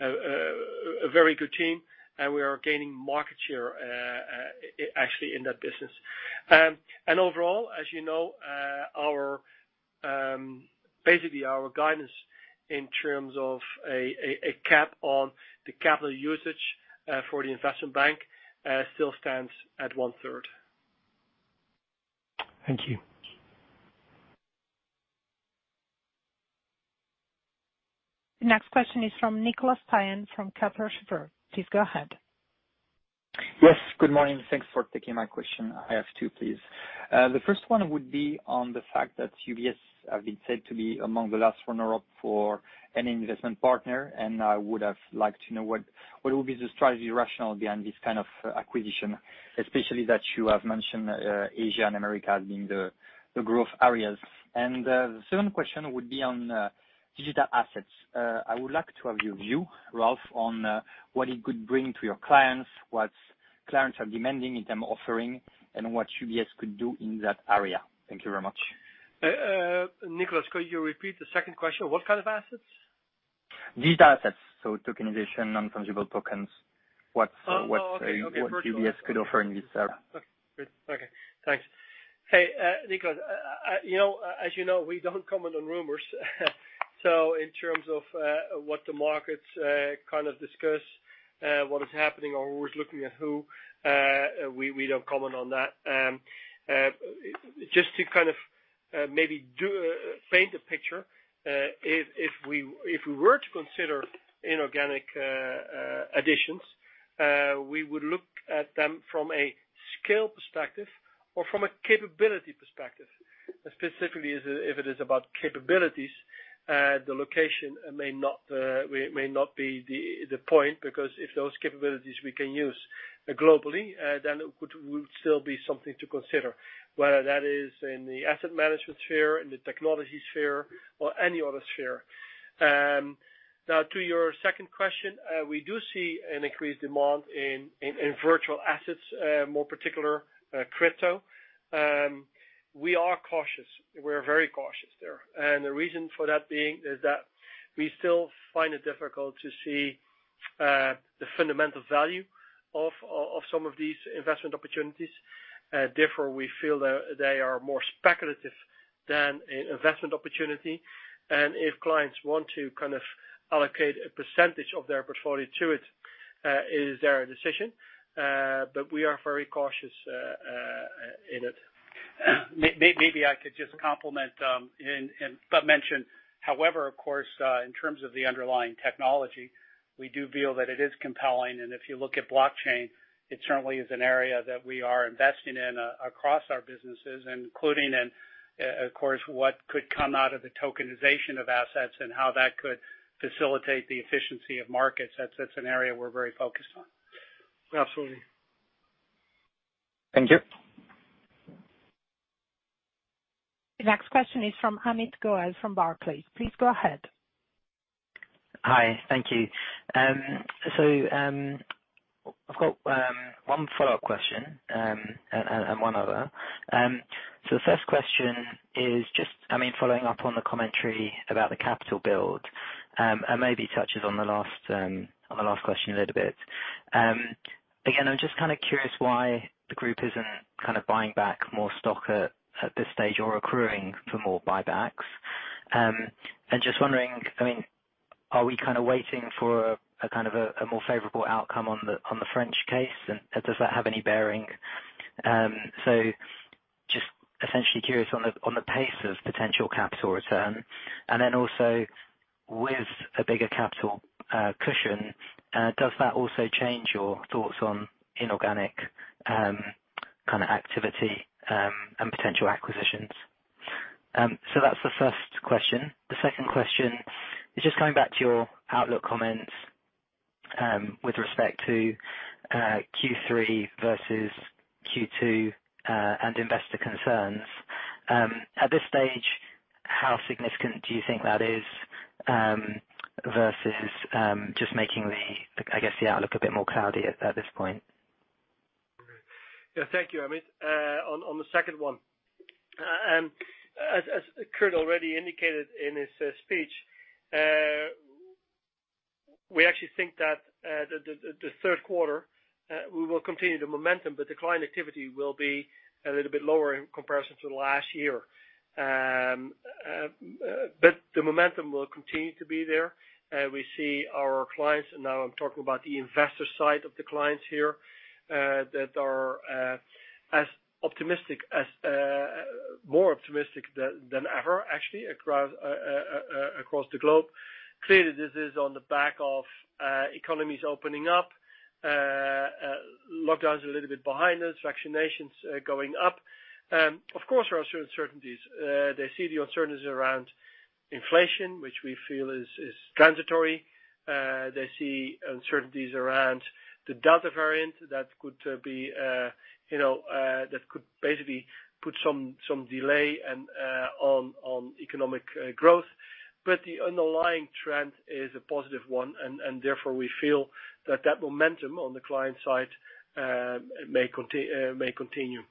a very good team, and we are gaining market share, actually, in that business. Overall, as you know, basically our guidance in terms of a cap on the capital usage for the Investment Bank still stands at one-third. Thank you. The next question is from Nicholas Taian from Kepler Cheuvreux. Please go ahead. Yes, good morning. Thanks for taking my question. I have two, please. The first one would be on the fact that UBS has been said to be among the last runner-up for NN Investment Partner, and I would have liked to know what will be the strategy rationale behind this kind of acquisition, especially that you have mentioned Asia and America as being the growth areas. The second question would be on digital assets. I would like to have your view, Ralph, on what it could bring to your clients, what clients are demanding in term offering, and what UBS could do in that area. Thank you very much. Nicholas, could you repeat the second question? What kind of assets? Digital assets, so tokenization, non-fungible tokens. Oh, okay. UBS could offer in this area? Okay, great. Okay. Thanks. Hey, Nicholas, as you know, we don't comment on rumors. In terms of what the markets kind of discuss, what is happening or who is looking at who, we don't comment on that. Just to kind of maybe paint a picture, if we were to consider inorganic additions, we would look at them from a scale perspective or from a capability perspective. Specifically, if it is about capabilities, the location may not be the point, because if those capabilities we can use globally, then it would still be something to consider, whether that is in the Asset Management sphere, in the technology sphere, or any other sphere. To your second question, we do see an increased demand in virtual assets, more particular, crypto. We are cautious, we're very cautious there. The reason for that being is that we still find it difficult to see the fundamental value of some of these investment opportunities. Therefore, we feel they are more speculative than an investment opportunity. If clients want to allocate a percentage of their portfolio to it is their decision. We are very cautious in it. Maybe I could just complement, but mention, however, of course, in terms of the underlying technology, we do feel that it is compelling, and if you look at blockchain, it certainly is an area that we are investing in across our businesses, including in, of course, what could come out of the tokenization of assets and how that could facilitate the efficiency of markets. That's an area we're very focused on. Absolutely. Thank you. The next question is from Amit Goel from Barclays. Please go ahead. Hi. Thank you. I've got one follow-up question and one other. The first question is just following up on the commentary about the capital build, and maybe touches on the last question a little bit. Again, I'm just kind of curious why the group isn't buying back more stock at this stage or accruing for more buybacks. Just wondering, are we waiting for a more favorable outcome on the French case, and does that have any bearing? Just essentially curious on the pace of potential capital return, and then also with a bigger capital cushion, does that also change your thoughts on inorganic kind of activity, and potential acquisitions? That's the first question. The second question is just coming back to your outlook comments, with respect to Q3 versus Q2 and investor concerns. At this stage, how significant do you think that is, versus just making the, I guess, the outlook a bit more cloudy at this point? Yeah. Thank you, Amit. On the second one, as Kirt already indicated in his speech, we actually think that the third quarter, we will continue the momentum, but the client activity will be a little bit lower in comparison to last year. The momentum will continue to be there. We see our clients, now I'm talking about the investor side of the clients here, that are more optimistic than ever, actually, across the globe. This is on the back of economies opening up, lockdowns are a little bit behind us, vaccinations going up. There are certain uncertainties. They see the uncertainties around inflation, which we feel is transitory. They see uncertainties around the Delta variant that could basically put some delay on economic growth. The underlying trend is a positive one, and therefore we feel that that momentum on the client side may continue.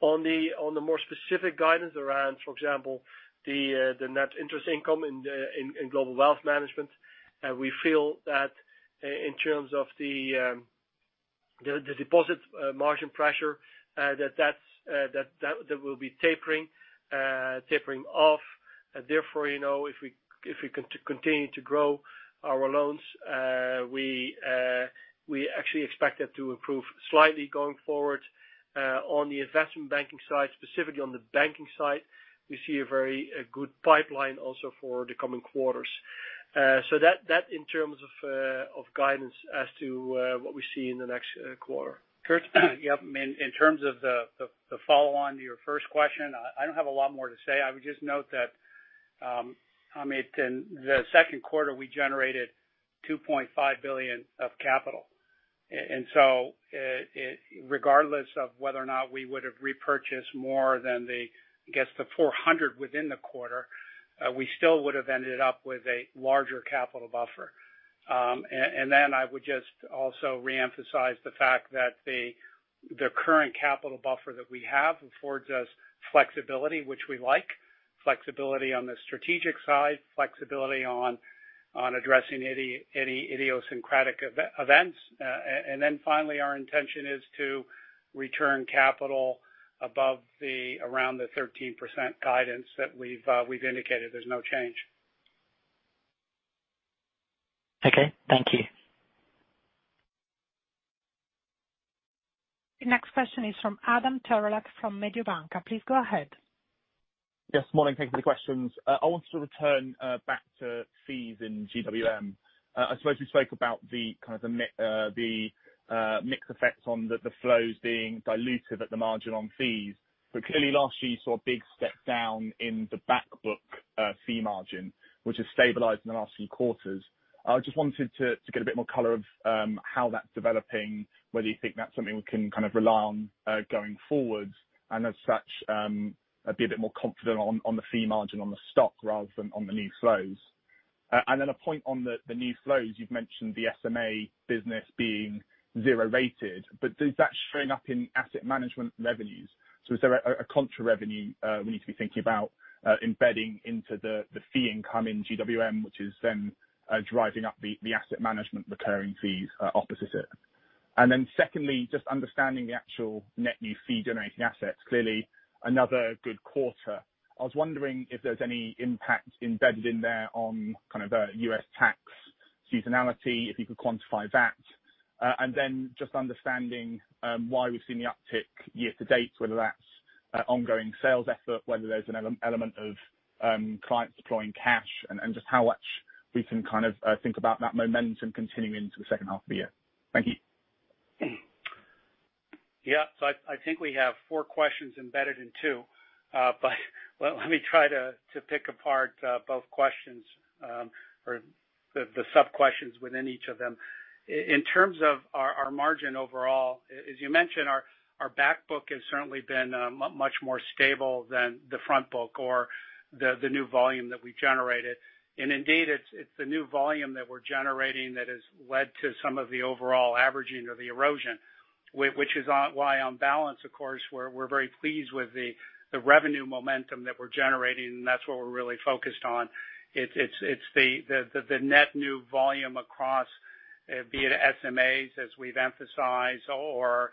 On the more specific guidance around, for example, the Net Interest Income in Global Wealth Management, we feel that in terms of the deposit margin pressure, that will be tapering off. If we continue to grow our loans, we actually expect it to improve slightly going forward. On the Investment Bank side, specifically on the Global Banking side, we see a very good pipeline also for the coming quarters. That in terms of guidance as to what we see in the next quarter. Kirt, yep, in terms of the follow-on to your first question, I don't have a lot more to say. I would just note that, Amit, in the second quarter we generated 2.5 billion of capital. Regardless of whether or not we would have repurchased more than the, I guess the 400 within the quarter, we still would have ended up with a larger capital buffer. I would just also reemphasize the fact that the current capital buffer that we have affords us flexibility, which we like. Flexibility on the strategic side, flexibility on addressing any idiosyncratic events. Finally, our intention is to return capital above the around the 13% guidance that we've indicated. There's no change. Okay. Thank you. The next question is from Adam Terelak from Mediobanca. Please go ahead. Yes, morning. Thank you for the questions. I wanted to return back to fees in GWM. I suppose you spoke about the kind of mix effects on the flows being diluted at the margin on fees. Clearly last year you saw a big step down in the back book fee margin, which has stabilized in the last few quarters. I just wanted to get a bit more color of how that's developing, whether you think that's something we can kind of rely on going forward, and as such, be a bit more confident on the fee margin on the stock rather than on the new flows. A point on the new flows. You've mentioned the SMA business being zero-rated, but does that show up in Asset Management revenues? Is there a contra revenue we need to be thinking about embedding into the fee income in GWM, which is then driving up the Asset Management recurring fees opposite it? Secondly, just understanding the actual Net New Fee-Generating Assets. Clearly another good quarter. I was wondering if there's any impact embedded in there on kind of U.S. tax seasonality, if you could quantify that. Just understanding why we've seen the uptick year to date, whether that's ongoing sales effort, whether there's an element of clients deploying cash, and just how much we can kind of think about that momentum continuing into the second half of the year. Thank you. I think we have four questions embedded in two. Let me try to pick apart both questions or the sub-questions within each of them. In terms of our margin overall, as you mentioned, our back book has certainly been much more stable than the front book or the new volume that we generated. Indeed, it's the new volume that we're generating that has led to some of the overall averaging or the erosion which is why on balance, of course, we're very pleased with the revenue momentum that we're generating, and that's what we're really focused on. It's the net new volume across, be it SMAs, as we've emphasized, or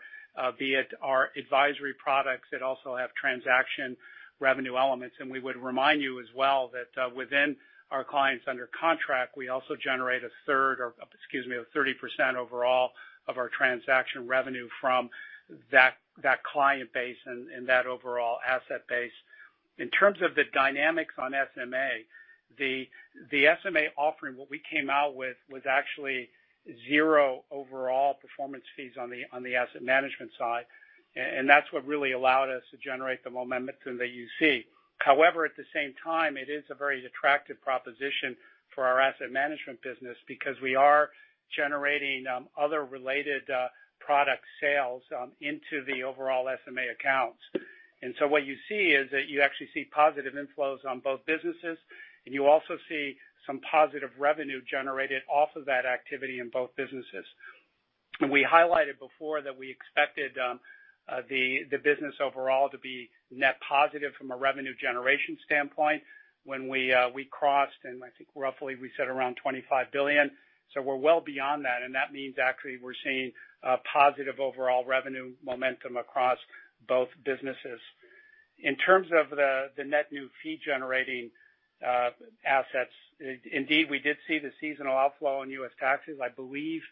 be it our advisory products that also have transaction revenue elements. We would remind you as well that within our clients under contract, we also generate a third or, excuse me, 30% overall of our transaction revenue from that client base and that overall asset base. In terms of the dynamics on SMA, the SMA offering, what we came out with was actually zero overall performance fees on the Asset Management side. That's what really allowed us to generate the momentum that you see. However, at the same time, it is a very attractive proposition for our Asset Management business because we are generating other related product sales into the overall SMA accounts. What you see is that you actually see positive inflows on both businesses, and you also see some positive revenue generated off of that activity in both businesses. We highlighted before that we expected the business overall to be net positive from a revenue generation standpoint when we crossed, and I think roughly we said around 25 billion. We're well beyond that, and that means actually we're seeing positive overall revenue momentum across both businesses. In terms of the Net New Fee-Generating Assets, indeed, we did see the seasonal outflow in U.S. taxes, I believe,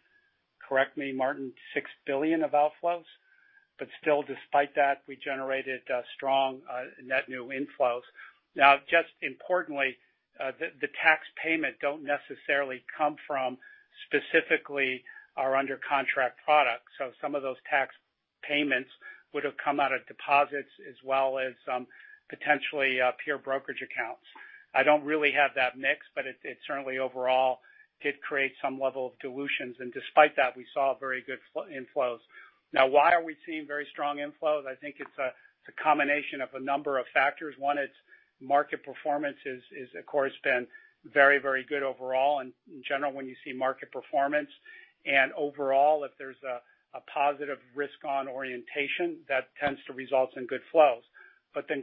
correct me, Martin, 6 billion of outflows. Still despite that, we generated strong net new inflows. Just importantly, the tax payment don't necessarily come from specifically our under contract products. Some of those tax payments would have come out of deposits as well as potentially pure brokerage accounts. I don't really have that mix, it certainly overall did create some level of dilutions, and despite that, we saw very good inflows. Why are we seeing very strong inflows? I think it's a combination of a number of factors. One, it's market performance is, of course, been very, very good overall. In general, when you see market performance and overall if there's a positive risk on orientation, that tends to result in good flows.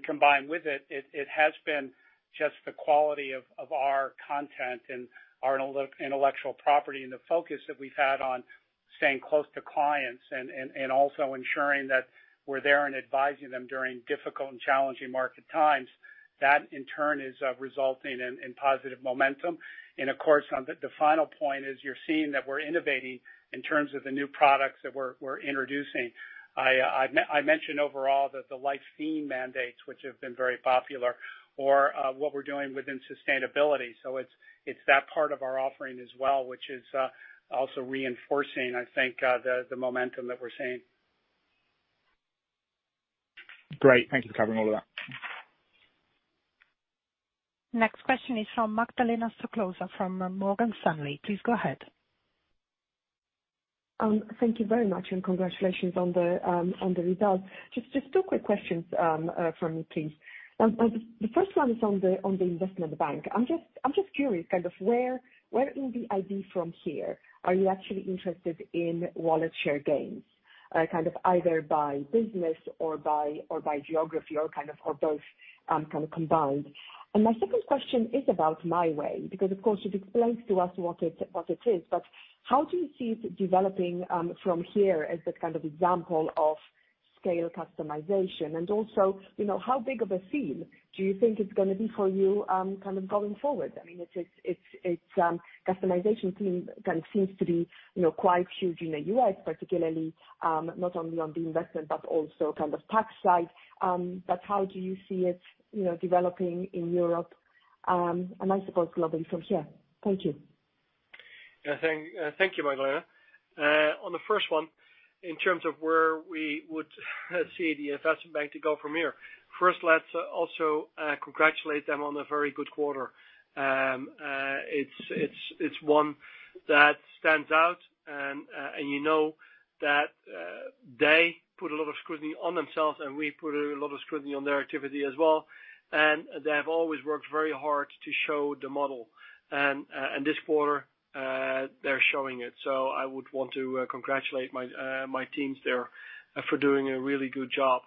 Combined with it has been just the quality of our content and our intellectual property, and the focus that we've had on staying close to clients and also ensuring that we're there and advising them during difficult and challenging market times. That, in turn, is resulting in positive momentum. Of course, the final point is you're seeing that we're innovating in terms of the new products that we're introducing. I mentioned overall that the life theme mandates, which have been very popular, or what we're doing within sustainability. It's that part of our offering as well, which is also reinforcing, I think, the momentum that we're seeing. Great. Thank you for covering all of that. Next question is from Magdalena Stoklosa of Morgan Stanley. Please go ahead. Thank you very much, congratulations on the results. Just two quick questions from me, please. The first one is on the Investment Bank. I'm just curious, where is the IB from here? Are you actually interested in wallet share gains kind of either by business or by geography or both, kind of combined? My second question is about My Way, because of course you've explained to us what it is, but how do you see it developing from here as that kind of example of scale customization? Also, how big of a theme do you think it's going to be for you, kind of going forward? I mean, its customization theme kind of seems to be quite huge in the U.S., particularly, not only on the investment, but also kind of tax side. How do you see it developing in Europe, and I suppose globally from here? Thank you. Yeah, thank you, Magdalena. On the first one, in terms of where we would see the Investment Bank to go from here. First, let's also congratulate them on a very good quarter. It's one that stands out, and you know that they put a lot of scrutiny on themselves, and we put a lot of scrutiny on their activity as well. They have always worked very hard to show the model. This quarter, they're showing it. I would want to congratulate my teams there for doing a really good job.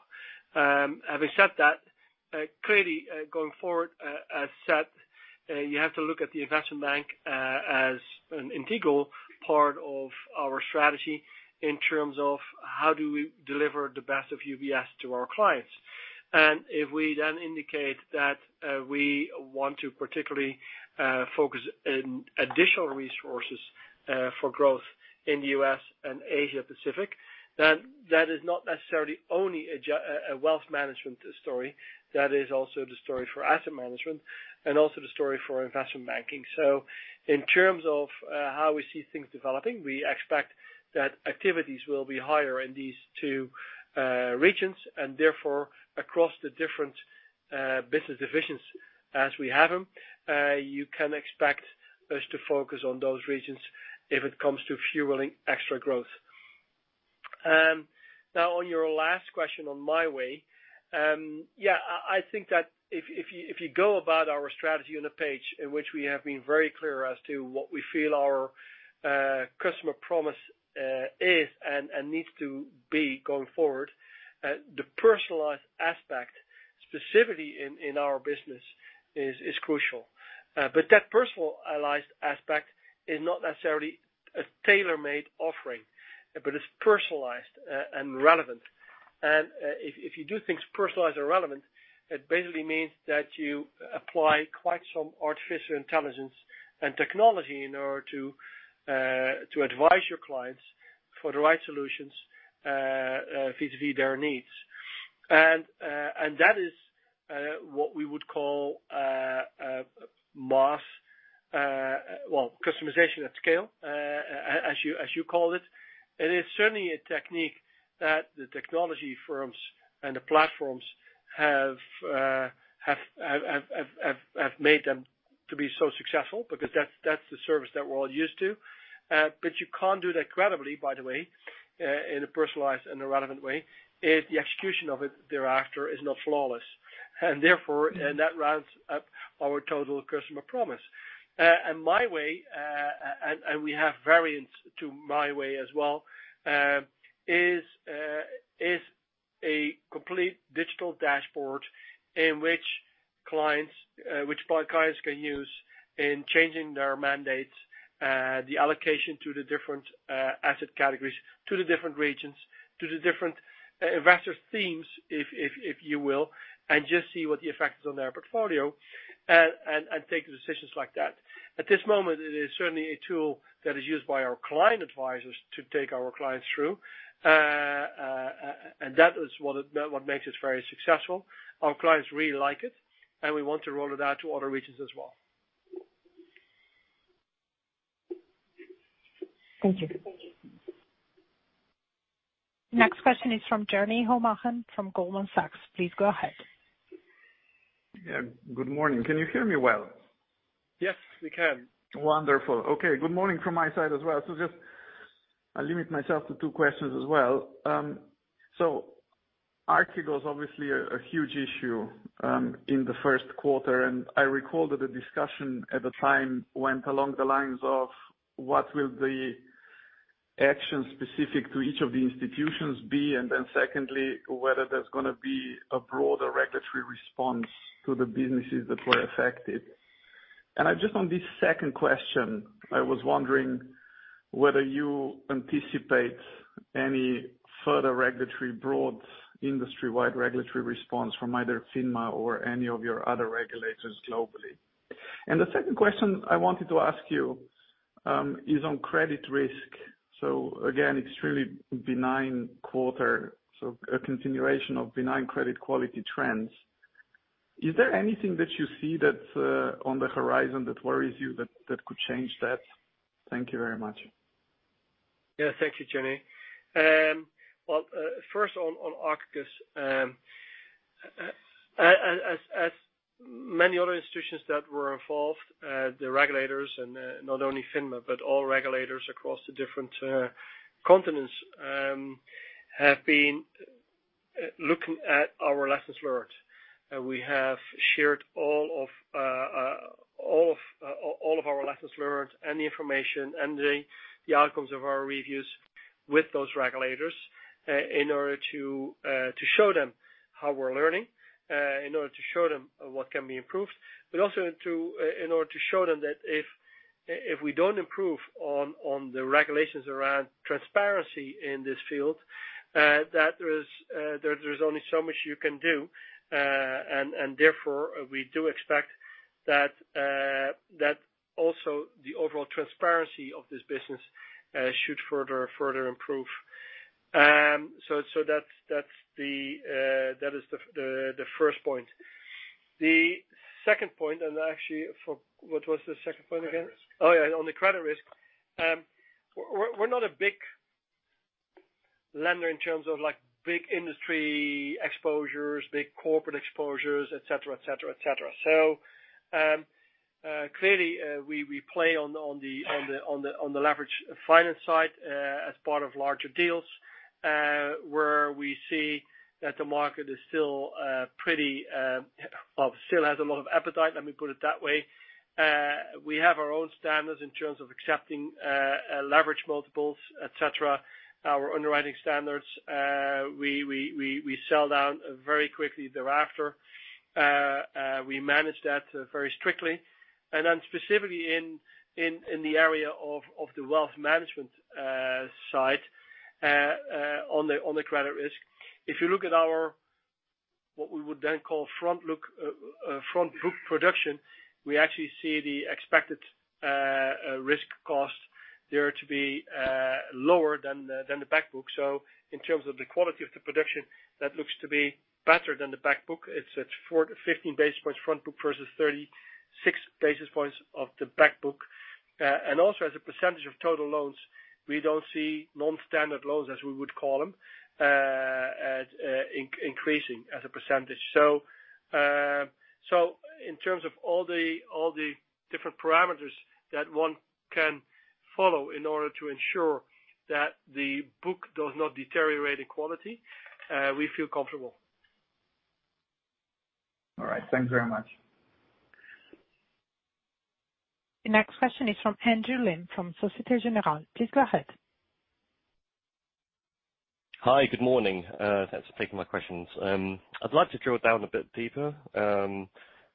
Having said that, clearly, going forward, as set, you have to look at the Investment Bank as an integral part of our strategy in terms of how do we deliver the best of UBS to our clients. If we then indicate that we want to particularly focus in additional resources for growth in the U.S. and Asia Pacific, then that is not necessarily only a Wealth Management story. That is also the story for Asset Management and also the story for Investment Banking. In terms of how we see things developing, we expect that activities will be higher in these two regions and therefore across the different business divisions as we have them. You can expect us to focus on those regions if it comes to fueling extra growth. On your last question on My Way. I think that if you go about our strategy on the page in which we have been very clear as to what we feel our customer promise is and needs to be going forward, the personalized aspect specifically in our business is crucial. That personalized aspect is not necessarily a tailor-made offering, but it's personalized and relevant. If you do things personalized and relevant, it basically means that you apply quite some artificial intelligence and technology in order to advise your clients for the right solutions vis-a-vis their needs. That is what we would call customization at scale, as you called it. It is certainly a technique that the technology firms and the platforms have made them to be so successful because that's the service that we're all used to. You can't do that credibly, by the way, in a personalized and a relevant way if the execution of it thereafter is not flawless. That rounds up our total customer promise. My Way, and we have variants to My Way as well, is a complete digital dashboard which clients can use in changing their mandates, the allocation to the different asset categories, to the different regions, to the different investor themes, if you will, and just see what the effect is on their portfolio and take decisions like that. At this moment, it is certainly a tool that is used by our client advisors to take our clients through. That is what makes us very successful. Our clients really like it, and we want to roll it out to other regions as well. Thank you. Next question is from Jernej Omahen from Goldman Sachs. Please go ahead. Yeah. Good morning. Can you hear me well? Yes, we can. Wonderful. Okay. Good morning from my side as well. Just, I'll limit myself to two questions as well. Archegos obviously a huge issue in the first quarter, and I recall that the discussion at the time went along the lines of what will the action specific to each of the institutions be, and then secondly, whether there's going to be a broader regulatory response to the businesses that were affected. Just on this second question, I was wondering whether you anticipate any further broad industry-wide regulatory response from either FINMA or any of your other regulators globally. The second question I wanted to ask you is on credit risk. Again, it's a really benign quarter, so a continuation of benign credit quality trends. Is there anything that you see that's on the horizon that worries you that could change that? Thank you very much. Yeah, thank you, Jernej. First on Archegos. As many other institutions that were involved, the regulators, and not only FINMA but all regulators across the different continents have been looking at our lessons learned. We have shared all of our lessons learned and the information and the outcomes of our reviews with those regulators in order to show them how we're learning, in order to show them what can be improved. Also in order to show them that if we don't improve on the regulations around transparency in this field, that there's only so much you can do. Therefore, we do expect that also the overall transparency of this business should further improve. That is the first point. The second point, and actually, what was the second point again? Credit risk. Yeah. On the credit risk. We're not a big lender in terms of big industry exposures, big corporate exposures, et cetera. Clearly, we play on the leverage finance side as part of larger deals, where we see that the market still has a lot of appetite, let me put it that way. We have our own standards in terms of accepting leverage multiples, et cetera. Our underwriting standards, we sell down very quickly thereafter. We manage that very strictly. Specifically in the area of the Global Wealth Management side, on the credit risk. If you look at our, what we would then call front book production, we actually see the expected risk cost there to be lower than the back book. In terms of the quality of the production, that looks to be better than the back book. It's at 15 basis points front book versus 36 basis points of the back book. Also as a percentage of total loans, we don't see non-standard loans, as we would call them, increasing as a percentage. In terms of all the different parameters that one can follow in order to ensure that the book does not deteriorate in quality, we feel comfortable. All right. Thank you very much. The next question is from Andrew Lim from Societe Generale. Please go ahead. Hi. Good morning. Thanks for taking my questions. I'd like to drill down a bit deeper,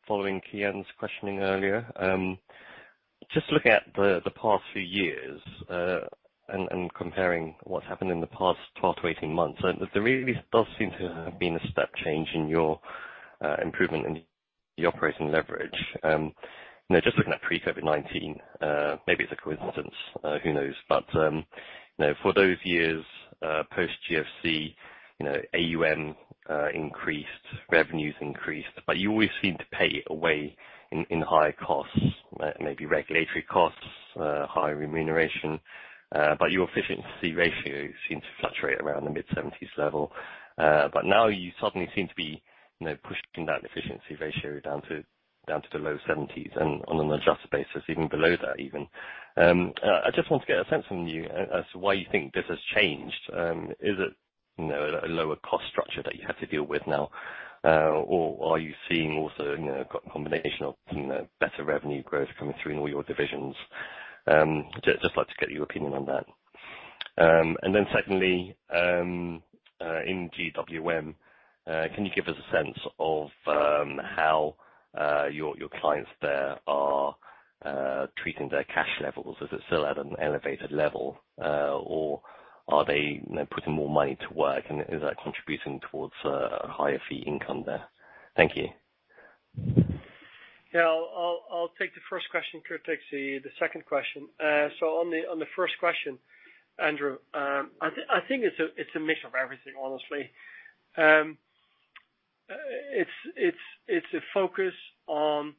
following Kian's questioning earlier. Just looking at the past few years, and comparing what's happened in the past 12 to 18 months, there really does seem to have been a step change in your improvement in the operating leverage. Just looking at pre-COVID-19, maybe it's a coincidence, who knows, but for those years post GFC, AUM increased, revenues increased, but you always seem to pay it away in higher costs, maybe regulatory costs, higher remuneration. Your efficiency ratio seems to fluctuate around the mid-70s level. Now you suddenly seem to be pushing that efficiency ratio down to the low 70s and on an adjusted basis, even below that even. I just want to get a sense from you as to why you think this has changed. Is it a lower cost structure that you have to deal with now? Are you seeing also a combination of better revenue growth coming through in all your divisions? Just like to get your opinion on that. Secondly, in GWM, can you give us a sense of how your clients there are treating their cash levels? Is it still at an elevated level? Are they putting more money to work, and is that contributing towards a higher fee income there? Thank you. Yeah. I'll take the first question. Kirt takes the second question. On the first question, Andrew, I think it's a mix of everything, honestly. It's a focus on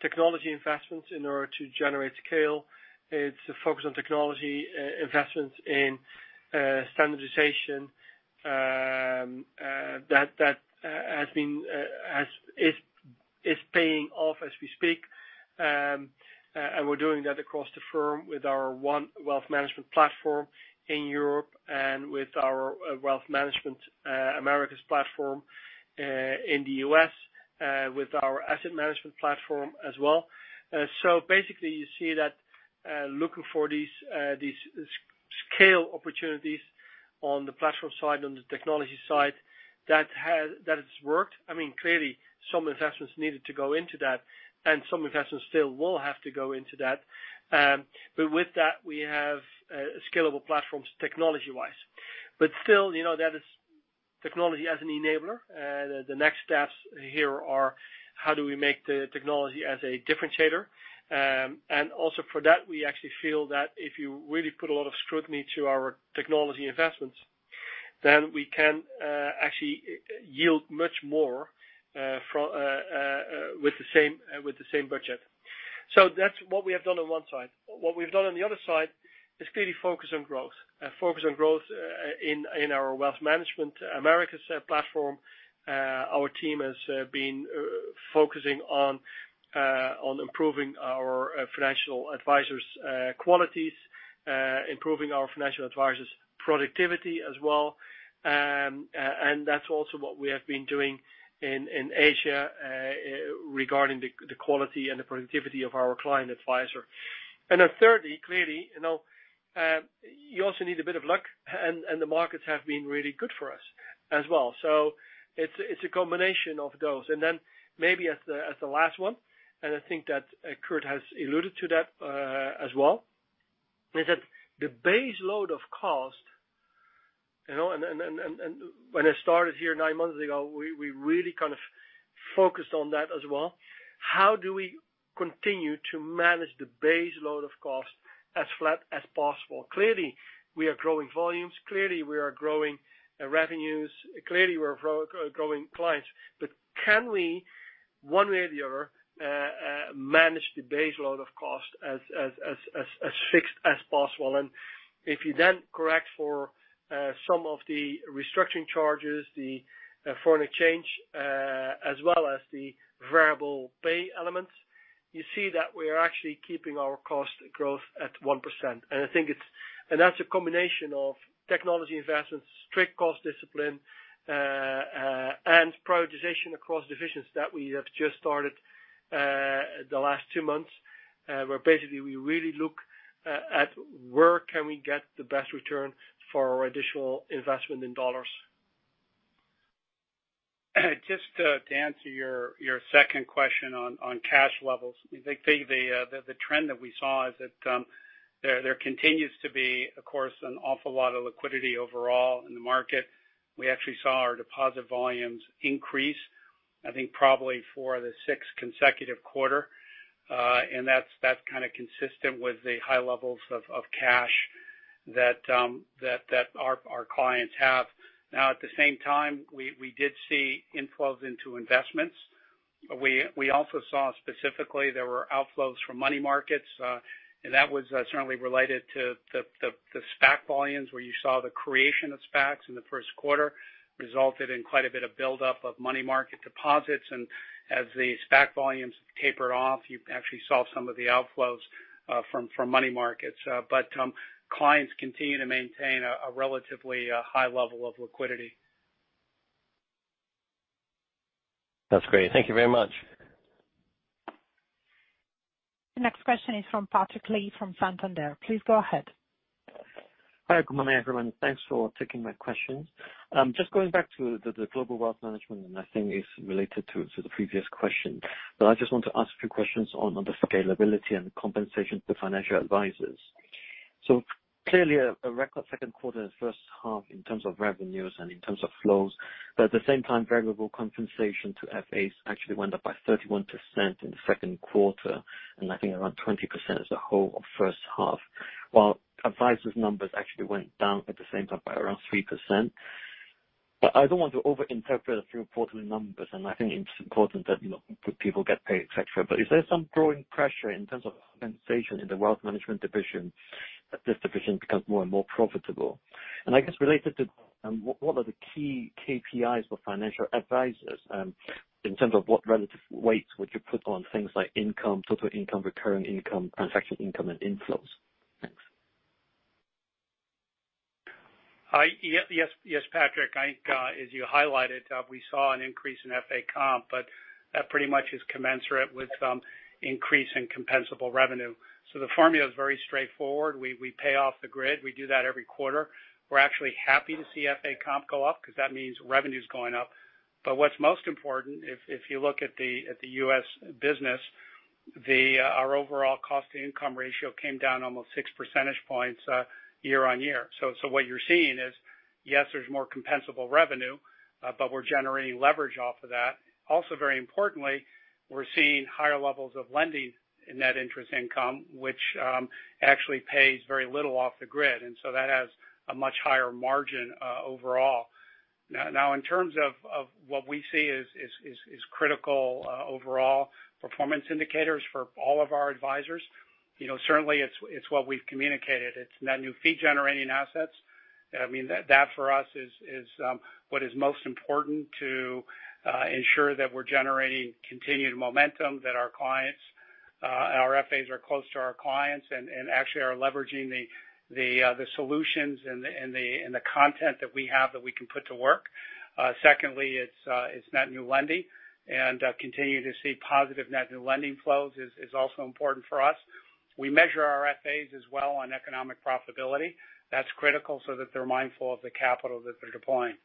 technology investments in order to generate scale. It's a focus on technology investments in standardization that is paying off as we speak. We're doing that across the firm with our one Wealth Management platform in Europe and with our Wealth Management Americas platform in the U.S. With our Asset Management platform as well. Basically, you see that looking for these scale opportunities on the platform side, on the technology side, that has worked. Clearly, some investments needed to go into that, and some investments still will have to go into that. With that, we have scalable platforms technology-wise. Still, that is technology as an enabler. The next steps here are how do we make the technology as a differentiator. Also for that, we actually feel that if you really put a lot of scrutiny to our technology investments, then we can actually yield much more with the same budget. That's what we have done on one side. What we've done on the other side is clearly focus on growth. Focus on growth in our Wealth Management Americas platform. Our team has been focusing on improving our financial advisors' qualities, improving our financial advisors' productivity as well, and that's also what we have been doing in Asia regarding the quality and the productivity of our client advisor. Then thirdly, clearly you also need a bit of luck, and the markets have been really good for us as well. It's a combination of those. Then maybe as the last one, and I think that Kirt has alluded to that as well, is that the base load of cost. When I started here nine months ago, we really kind of focused on that as well. How do we continue to manage the base load of cost as flat as possible? Clearly, we are growing volumes. Clearly, we are growing revenues. Clearly, we are growing clients. Can we, one way or the other, manage the base load of cost as fixed as possible? If you then correct for some of the restructuring charges, the foreign exchange, as well as the variable pay elements, you see that we are actually keeping our cost growth at 1%. That's a combination of technology investments, strict cost discipline, and prioritization across divisions that we have just started the last two months, where basically we really look at where can we get the best return for our additional investment in dollars. Just to answer your second question on cash levels. I think the trend that we saw is that there continues to be, of course, an awful lot of liquidity overall in the market. We actually saw our deposit volumes increase, I think, probably for the sixth consecutive quarter. That's kind of consistent with the high levels of cash that our clients have. Now, at the same time, we did see inflows into investments. We also saw specifically there were outflows from money markets, and that was certainly related to the SPAC volumes, where you saw the creation of SPACs in the first quarter resulted in quite a bit of buildup of money market deposits. As the SPAC volumes tapered off, you actually saw some of the outflows from money markets. Clients continue to maintain a relatively high level of liquidity. That's great. Thank you very much. The next question is from Patrick Lee, from Santander. Please go ahead. Hi, good morning, everyone. Thanks for taking my questions. Just going back to the Global Wealth Management, and I think it's related to the previous question, I just want to ask a few questions on the scalability and compensation to financial advisors. At the same time, variable compensation to FAs actually went up by 31% in the second quarter, and I think around 20% as a whole of first half, while advisors' numbers actually went down at the same time by around 3%. I don't want to over-interpret a few quarterly numbers, and I think it's important that people get paid, et cetera. Is there some growing pressure in terms of compensation in the Wealth Management division as this division becomes more and more profitable? I guess related to that, what are the key KPIs for financial advisors in terms of what relative weights would you put on things like income, total income, recurring income, transaction income, and inflows? Thanks. Yes, Patrick. I think as you highlighted, we saw an increase in FA comp, that pretty much is commensurate with increase in compensable revenue. The formula is very straightforward. We pay off the grid. We do that every quarter. We're actually happy to see FA comp go up because that means revenue's going up. What's most important, if you look at the U.S. business, our overall cost to income ratio came down almost 6 percentage points year-on-year. What you're seeing is, yes, there's more compensable revenue, but we're generating leverage off of that. Also, very importantly, we're seeing higher levels of lending in Net Interest Income, which actually pays very little off the grid, that has a much higher margin overall. Now, in terms of what we see is critical overall performance indicators for all of our advisors. Certainly it's what we've communicated. It's Net New Fee-Generating Assets. That for us is what is most important to ensure that we're generating continued momentum, that our FAs are close to our clients and actually are leveraging the solutions and the content that we have that we can put to work. Secondly, it's net new lending, and continuing to see positive net new lending flows is also important for us. We measure our FAs as well on economic profitability. That's critical so that they're mindful of the capital that they're deploying.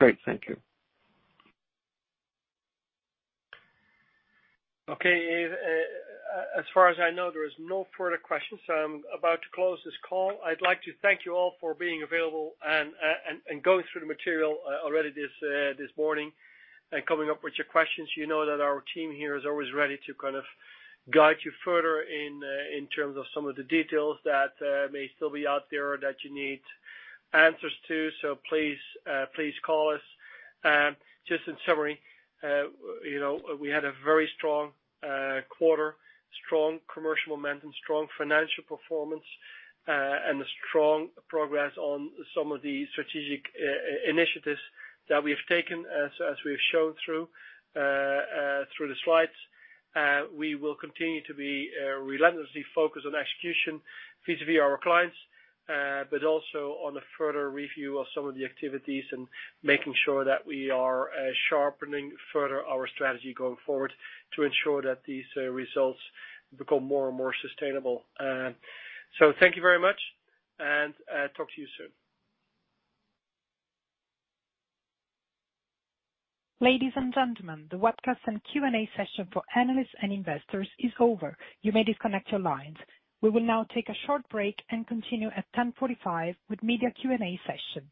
Great. Thank you. Okay. As far as I know, there is no further questions. I'm about to close this call. I'd like to thank you all for being available and going through the material already this morning and coming up with your questions. You know that our team here is always ready to kind of guide you further in terms of some of the details that may still be out there or that you need answers to. Please call us. Just in summary, we had a very strong quarter, strong commercial momentum, strong financial performance, and a strong progress on some of the strategic initiatives that we have taken as we've shown through the slides. We will continue to be relentlessly focused on execution vis-à-vis our clients, but also on a further review of some of the activities and making sure that we are sharpening further our strategy going forward to ensure that these results become more and more sustainable. Thank you very much, and talk to you soon. Ladies and gentlemen, the webcast and Q&A session for analysts and investors is over. You may disconnect your lines. We will now take a short break and continue at 10:45 A.M. with media Q&A session.